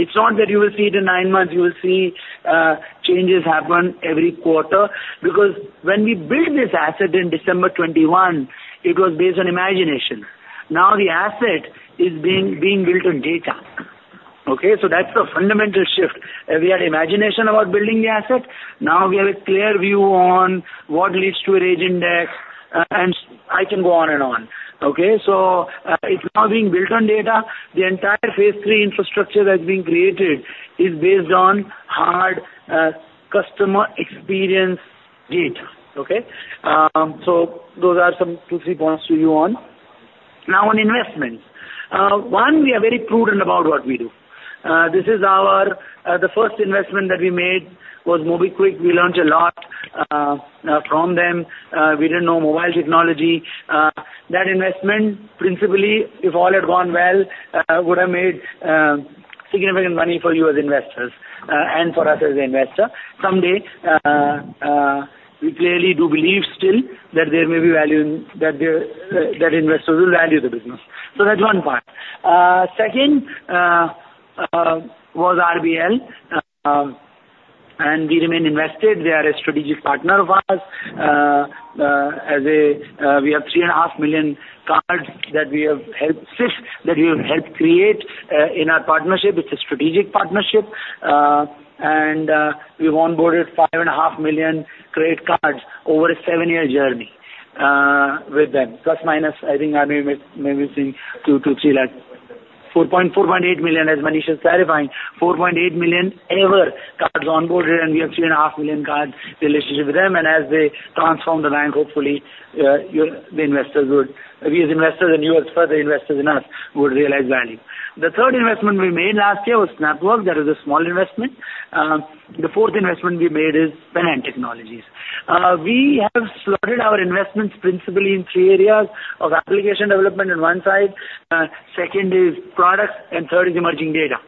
it's not that you will see it in nine months, you will see changes happen every quarter, because when we built this asset in December 2021, it was based on imagination. Now, the asset is being built on data, okay? So that's the fundamental shift. We had imagination about building the asset. Now we have a clear view on what leads to a raging deck, and I can go on and on, okay? So it's now being built on data. The entire phase three infrastructure that's being created is based on hard, customer experience data, okay? So those are some 2, 3 points to you on. Now, on investments. One, we are very prudent about what we do. This is our, the first investment that we made was MobiKwik. We learned a lot from them. We didn't know mobile technology. That investment, principally, if all had gone well, would have made, significant money for you as investors, and for us as an investor. Someday, we clearly do believe still that there may be value in... That there, that investors will value the business. So that's one part. Second, was RBL, and we remain invested. They are a strategic partner of ours. As we have 3.5 million cards that we have helped, fifth, that we have helped create, in our partnership. It's a strategic partnership. And we've onboarded 5.5 million credit cards over a seven-year journey, with them. ± I think I may, may be seeing 2-3 lakh. 4.8 million, as Manish is clarifying, 4.8 million ever cards onboarded, and we have 3.5 million card relationship with them. And as they transform the bank, hopefully, the investors would... We as investors and you as further investors in us, would realize value. The third investment we made last year was Snapwork. That is a small investment. The fourth investment we made is Pennant Technologies. We have slotted our investments principally in three areas, of application development in one side, second is product, and third is emerging data.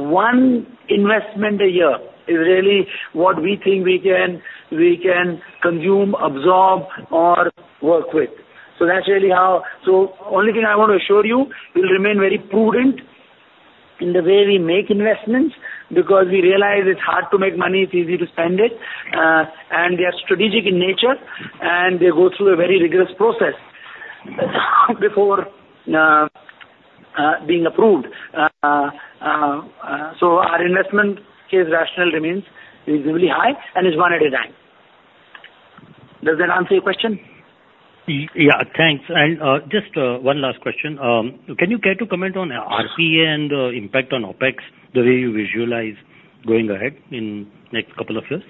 One investment a year is really what we think we can, we can consume, absorb, or work with. So that's really how. So only thing I want to assure you, we'll remain very prudent in the way we make investments, because we realize it's hard to make money, it's easy to spend it, and they are strategic in nature, and they go through a very rigorous process before, so our investment case rationale remains reasonably high and is one at a time. Does that answer your question? Yeah, thanks. And just one last question. Can you care to comment on RPA and impact on OpEx, the way you visualize going ahead in next couple of years?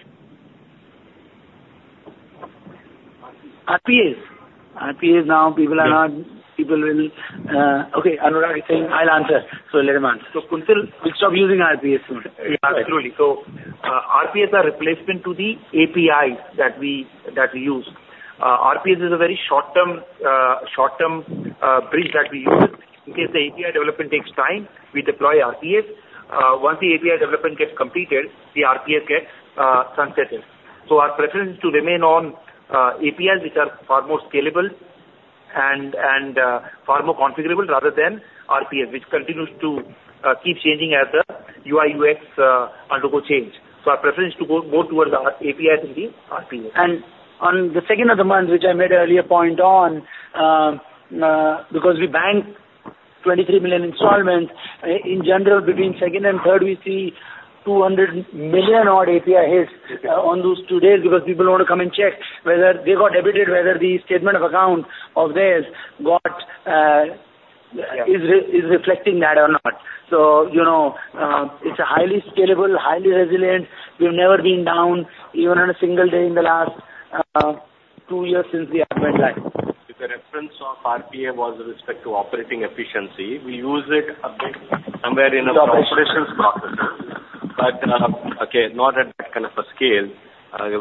RPAs. RPAs, now people are not- Yes. People will. Okay, Anurag is saying, "I'll answer," so let him answer. Kuntal, we'll stop using RPAs soon. Yeah, absolutely. So, RPAs are replacement to the APIs that we use. RPAs is a very short-term bridge that we use. In case the API development takes time, we deploy RPAs. Once the API development gets completed, the RPAs get sunsetted. So our preference to remain on APIs, which are far more scalable and far more configurable, rather than RPA, which continues to keep changing as the UI, UX undergo change. So our preference is to go towards the APIs than the RPAs. And on the second of the month, which I made earlier point on, because we bank 23 million installments, in general, between second and third, we see 200 million-odd API hits, on those two days, because people want to come and check whether they got debited, whether the statement of account of theirs got, Yeah. is reflecting that or not. So, you know, it's a highly scalable, highly resilient. We've never been down, even on a single day in the last two years since we have went live. If the reference of RPA was with respect to operating efficiency, we use it a bit somewhere in a- The operations. operations process. But, okay, not at that kind of a scale.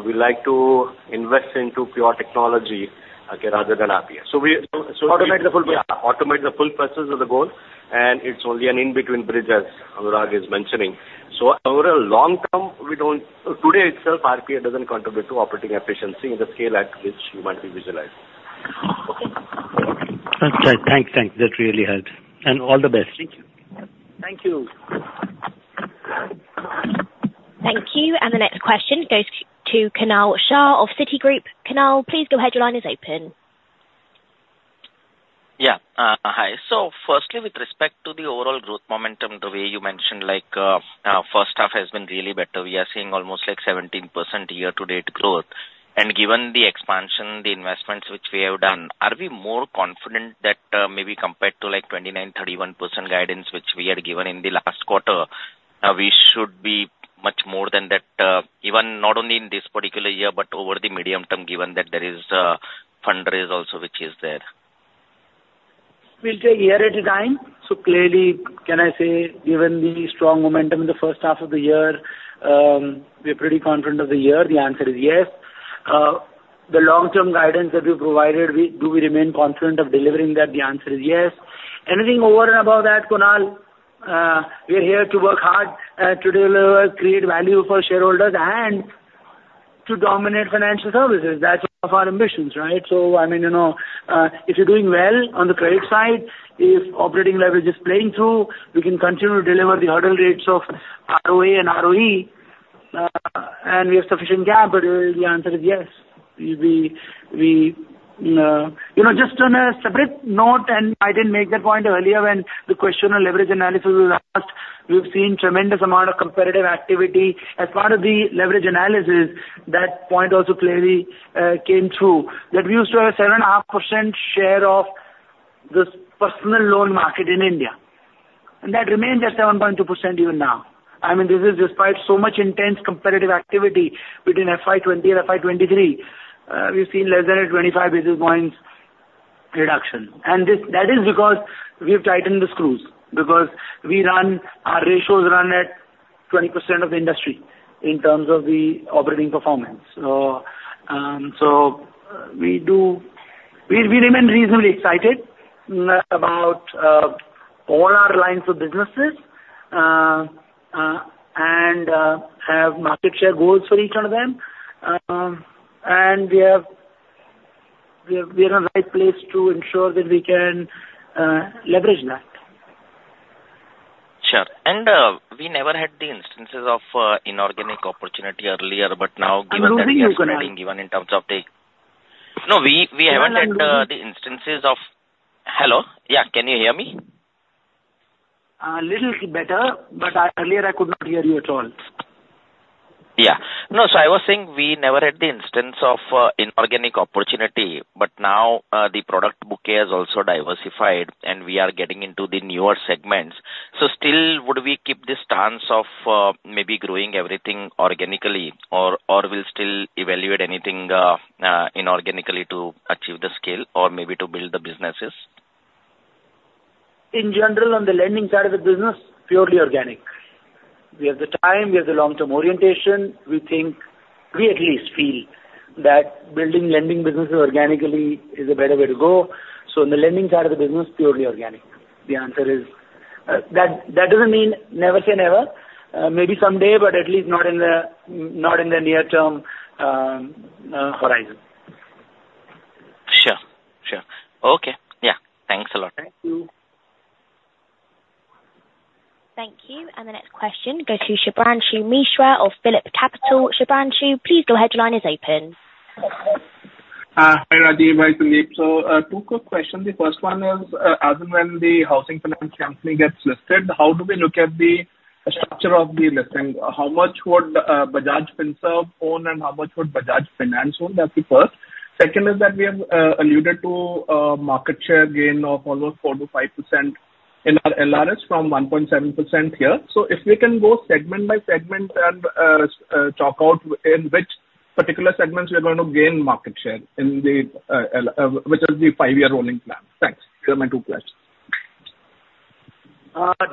We like to invest into pure technology, okay, rather than RPA. So we automate the full picture. Yeah, automate the full process is the goal, and it's only an in-between bridge, as Anurag is mentioning. So over a long term, we don't... Today itself, RPA doesn't contribute to operating efficiency in the scale at which you might be visualizing. Okay. Thanks. Thanks. That really helps. All the best. Thank you. Thank you. Thank you. And the next question goes to Kunal Shah of Citigroup. Kunal, please go ahead. Your line is open. Yeah. Hi. So firstly, with respect to the overall growth momentum, the way you mentioned, like, first half has been really better. We are seeing almost like 17% year-to-date growth. And given the expansion, the investments which we have done, are we more confident that, maybe compared to like 29%-31% guidance, which we had given in the last quarter, we should be much more than that, even not only in this particular year, but over the medium term, given that there is a fundraise also, which is there? We'll take a year at a time. So clearly, can I say, given the strong momentum in the first half of the year, we're pretty confident of the year? The answer is yes. The long-term guidance that we provided, do we remain confident of delivering that? The answer is yes. Anything over and above that, Kunal, we're here to work hard, to deliver, create value for shareholders and to dominate financial services. That's all of our ambitions, right? So, I mean, you know, if you're doing well on the credit side, if operating leverage is playing through, we can continue to deliver the hurdle rates of ROA and ROE, and we have sufficient gap, but the answer is yes. We... You know, just on a separate note, and I didn't make that point earlier when the question on leverage analysis was asked, we've seen tremendous amount of competitive activity. As part of the leverage analysis, that point also clearly came through, that we used to have a 7.5% share of this personal loan market in India, and that remains at 7.2% even now. I mean, this is despite so much intense competitive activity between FY 2020 and FY 2023. We've seen less than a 25 basis points reduction. And that is because we've tightened the screws, because we run, our ratios run at 20% of the industry in terms of the operating performance. So we do... We remain reasonably excited about all our lines of businesses and have market share goals for each one of them. And we are in a right place to ensure that we can leverage that. Sure. And we never had the instances of inorganic opportunity earlier, but now- I'm losing you, Kunal. Given that we are spreading, even in terms of the... No, we, we haven't had the instances of... Hello? Yeah, can you hear me? Little better, but earlier, I could not hear you at all. Yeah. No, so I was saying we never had the instance of inorganic opportunity, but now the product bouquet has also diversified, and we are getting into the newer segments. So still, would we keep the stance of maybe growing everything organically or, or we'll still evaluate anything inorganically to achieve the scale or maybe to build the businesses? In general, on the lending side of the business, purely organic. We have the time, we have the long-term orientation. We think, we at least feel, that building lending businesses organically is a better way to go. So in the lending side of the business, purely organic. The answer is... that, that doesn't mean never say never. Maybe someday, but at least not in the, not in the near-term horizon. Sure. Sure. Okay. Yeah. ...Thank you. The next question goes to Shubhranshu Mishra of PhillipCapital. Shubhranshu, please, your line is open. Hi, Rajeev, hi, Sandeep. So, two quick questions. The first one is, as and when the housing finance company gets listed, how do we look at the structure of the listing? How much would Bajaj Finserv own, and how much would Bajaj Finance own? That's the first. Second is that we have alluded to a market share gain of almost 4%-5% in our LRD from 1.7% here. So if we can go segment by segment and talk out in which particular segments we are going to gain market share in the LRD, which is the five-year rolling plan. Thanks. Those are my two questions.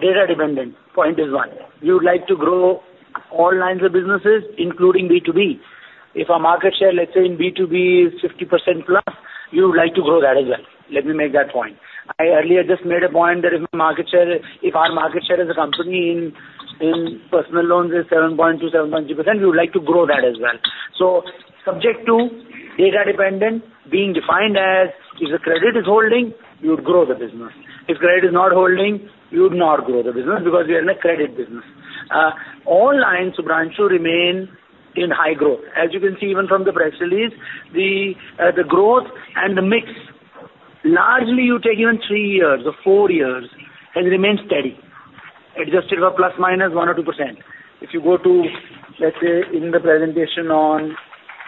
Data dependent, point is one. We would like to grow all lines of businesses, including B2B. If our market share, let's say, in B2B is 50%+, you would like to grow that as well. Let me make that point. I earlier just made a point that if market share, if our market share as a company in, in personal loans is 7.2%, 7.3%, we would like to grow that as well. So subject to data dependent being defined as, if the credit is holding, you would grow the business. If credit is not holding, you would not grow the business because we are in a credit business. All lines, Shubhranshu, remain in high growth. As you can see, even from the press release, the growth and the mix, largely you take even three years or four years, has remained steady, adjusted for ±1% or 2%. If you go to, let's say, in the presentation on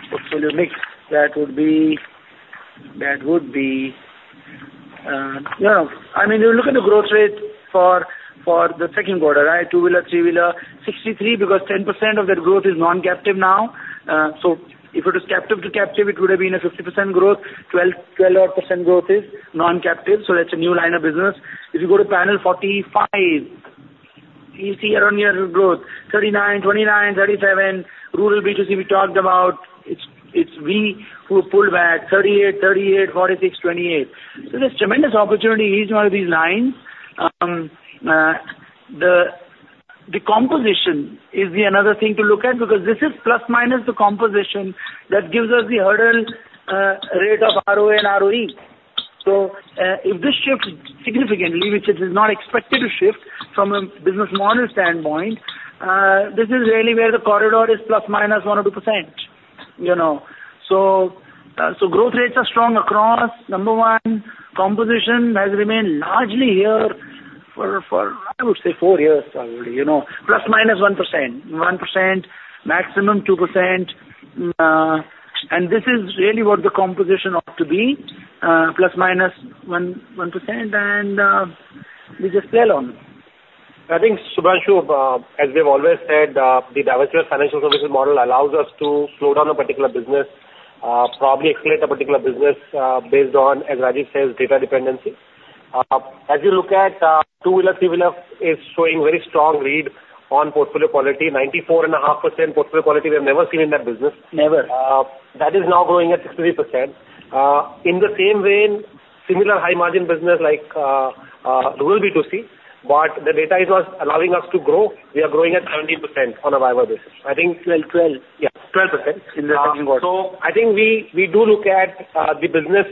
portfolio mix, that would be, that would be... You know, I mean, you look at the growth rate for the second quarter, right? Two-wheeler, three-wheeler, 63, because 10% of that growth is non-captive now. So if it was captive to captive, it would have been a 50% growth. 12, 12 odd % growth is non-captive, so that's a new line of business. If you go to panel 45, you see year-on-year growth, 39, 29, 37. Rural B2C, we talked about, it's we who pulled back 38, 38, 46, 28. So there's tremendous opportunity in each one of these lines. The composition is another thing to look at, because this is ± the composition that gives us the hurdle rate of ROA and ROE. So, if this shifts significantly, which it is not expected to shift from a business model standpoint, this is really where the corridor is ±1 or 2%, you know. So, so growth rates are strong across. Number one, composition has remained largely here for, for, I would say four years already, you know, ±1%. 1%, maximum 2%, and this is really what the composition ought to be, ±1-10%, and, we just sail on. I think, Shubhranshu, as we've always said, the diversified financial services model allows us to slow down a particular business, probably accelerate a particular business, based on, as Rajeev says, data dependency. As you look at, two-wheeler, three-wheeler is showing very strong read on portfolio quality, 94.5% portfolio quality we've never seen in that business. Never. That is now growing at 63%. In the same vein, similar high margin business like rural B2C, but the data is not allowing us to grow. We are growing at 70% on a YoY basis. I think- Twelve, twelve. Yeah, 12%. So I think we do look at the business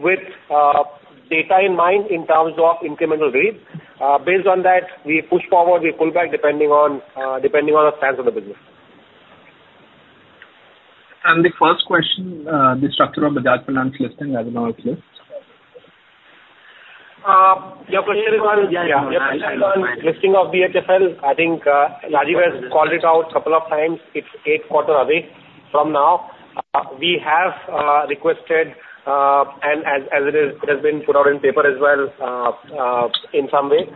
with data in mind in terms of incremental read. Based on that, we push forward, we pull back, depending on the stance of the business. The first question, the structure of Bajaj Finance listing as now it is. Your question is on- Yeah. Your question is on listing of the HFL. I think, Rajeev has called it out a couple of times. It's eight quarters away from now. We have requested, and as it is, it has been put out in paper as well, in some way.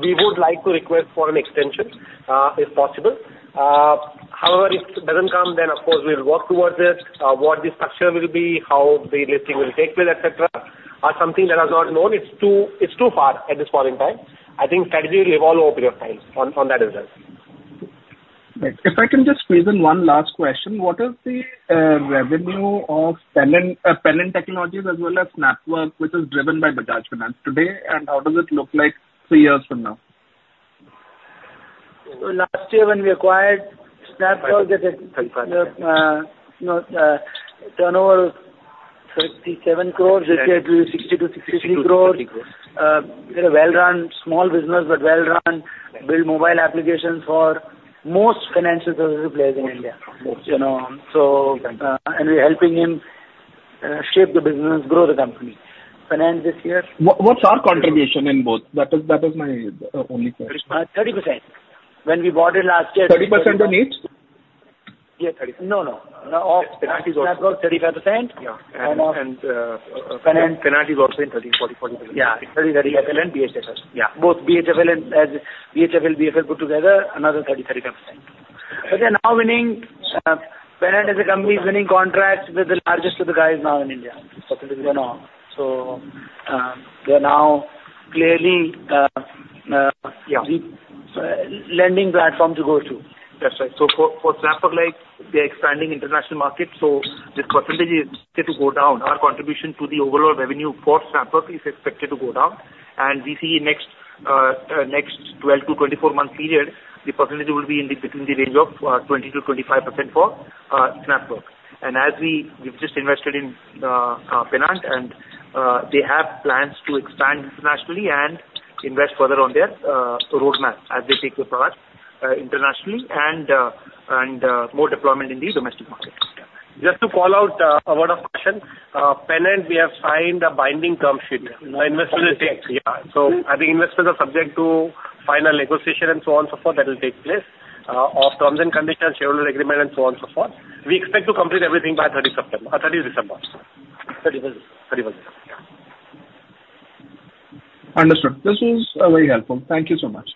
We would like to request for an extension, if possible. However, if it doesn't come, then of course we'll work towards it. What the structure will be, how the listing will take place, et cetera, are something that are not known. It's too far at this point in time. I think strategy will evolve over a period of time on that as well. If I can just squeeze in one last question. What is the revenue of Pennant Technologies as well as Snapwork, which is driven by Bajaj Finance today, and how does it look like three years from now? So last year, when we acquired Snapwork, you know, turnover INR 57 crore, this year it will be INR 60 crore-INR 63 crore. Sixty crores. They're a well-run, small business, but well-run, build mobile applications for most financial services players in India. You know, so, and we're helping him, shape the business, grow the company. Finance this year- What, what's our contribution in both? That is, that is my only question. 30%. When we bought it last year- 30% on each? Yeah, 30. No, no. Of Snapwork, 35%. Yeah. And Pennant is also in 30%, 40%, 40%. Yeah. BHFL and BHFL. Yeah. Both BHFL and as BHFL, BFL put together, another 30%-35%. But they're now winning, Pennant as a company is winning contracts with the largest of the guys now in India. So, they're now clearly, Yeah... lending platform to go to. That's right. So for Snapwork, like, we are expanding international markets, so this percentage is expected to go down. Our contribution to the overall revenue for Snapwork is expected to go down, and we see next 12-24 month period, the percentage will be in the between the range of 20%-25% for Snapwork. And as we- we've just invested in Pennant and-... they have plans to expand internationally and invest further on their roadmap as they take the product internationally and more deployment in the domestic market. Just to call out a word of caution. Pennant, we have signed a binding term sheet. The investment will take, yeah. So I think investments are subject to final negotiation and so on, so forth, that will take place of terms and conditions, shareholder agreement and so on, so forth. We expect to complete everything by 30 September, 31 December. 31st, 31st December. Understood. This is very helpful. Thank you so much.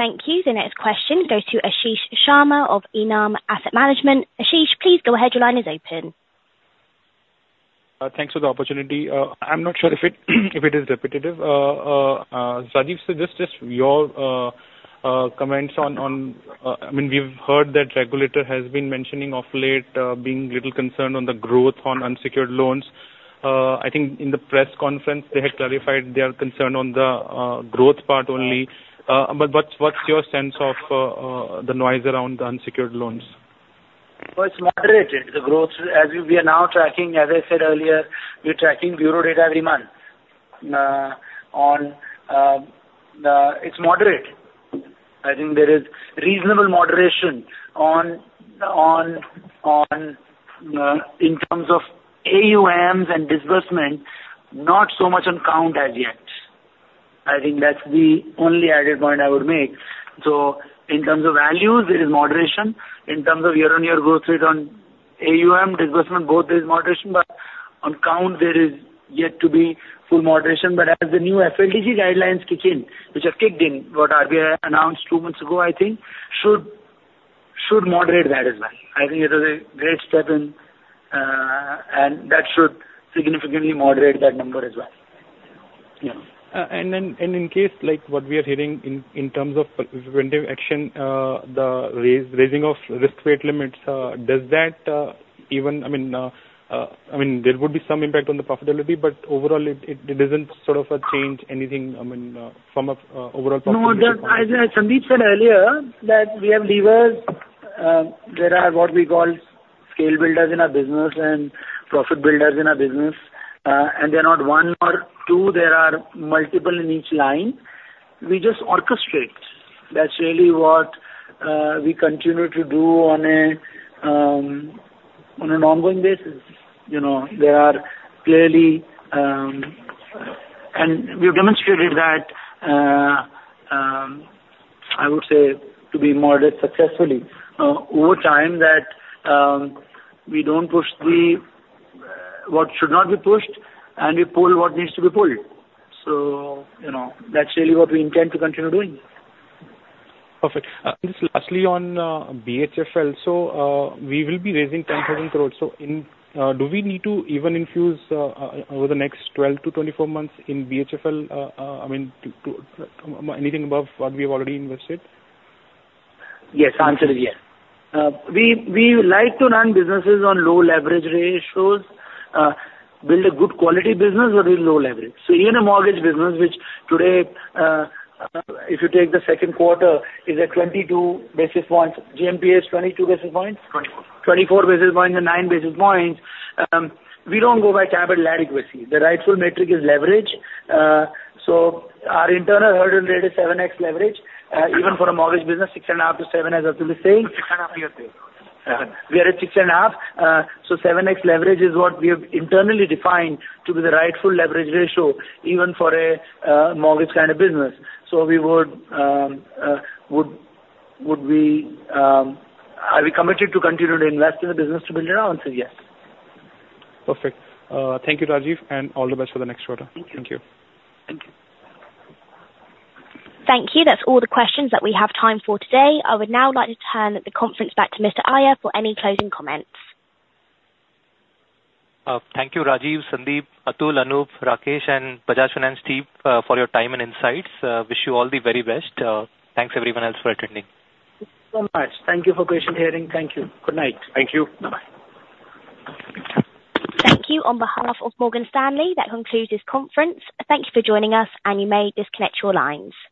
Thank you. The next question goes to Ashish Sharma of ENAM Asset Management. Ashish, please go ahead. Your line is open. Thanks for the opportunity. I'm not sure if it, if it is repetitive. Rajeev, so just, just your comments on, on... I mean, we've heard that regulator has been mentioning of late, being little concerned on the growth on unsecured loans. I think in the press conference, they had clarified their concern on the, growth part only. But what's, what's your sense of, the noise around the unsecured loans? Well, it's moderated. The growth, as we are now tracking, as I said earlier, we're tracking bureau data every month, on, it's moderate. I think there is reasonable moderation on, on, on, in terms of AUMs and disbursement, not so much on count as yet. I think that's the only added point I would make. So in terms of values, there is moderation. In terms of year-on-year growth rate on AUM, disbursement, both there's moderation, but on count, there is yet to be full moderation. But as the new FLDG guidelines kick in, which have kicked in, what RBI announced two months ago, I think, should, should moderate that as well. I think it is a great step and, and that should significantly moderate that number as well. Yeah. And then, in case, like what we are hearing in terms of preventive action, the raising of risk weight limits, does that even, I mean, there would be some impact on the profitability, but overall it doesn't sort of change anything, I mean, from a overall profitability- No, as Sandeep said earlier, that we have levers. There are what we call scale builders in our business and profit builders in our business, and they're not one or two, there are multiple in each line. We just orchestrate. That's really what we continue to do on an ongoing basis. You know, there are clearly, and we've demonstrated that, I would say to be moderate successfully, over time, that we don't push what should not be pushed, and we pull what needs to be pulled. So, you know, that's really what we intend to continue doing. Perfect. Just lastly, on BHFL. So, we will be raising 10,000 crore. So, do we need to even infuse over the next 12-24 months in BHFL? I mean, to anything above what we have already invested? Yes. Answer is yes. We like to run businesses on low leverage ratios, build a good quality business but with low leverage. So even a mortgage business, which today, if you take the second quarter, is at 22 basis points. GNPA is 22 basis points? 24. 24 basis points and 9 basis points. We don't go by capital adequacy. The rightful metric is leverage. So our internal hurdle rate is 7x leverage. Even for a mortgage business, 6.5-7, as Atul is saying. 6.5, we are saying. We are at 6.5. So 7x leverage is what we have internally defined to be the rightful leverage ratio, even for a mortgage kind of business. So we would, would we... Are we committed to continue to invest in the business to build it out? Answer is yes. Perfect. Thank you, Rajeev, and all the best for the next quarter. Thank you. Thank you. Thank you. That's all the questions that we have time for today. I would now like to turn the conference back to Mr. Iyer for any closing comments. Thank you, Rajeev, Sandeep, Atul, Anup, Rakesh, and Bajaj Finance team, for your time and insights. Wish you all the very best. Thanks everyone else for attending. Thank you so much. Thank you for patiently hearing. Thank you. Good night. Thank you. Bye-bye. Thank you. On behalf of Morgan Stanley, that concludes this conference. Thank you for joining us, and you may disconnect your lines.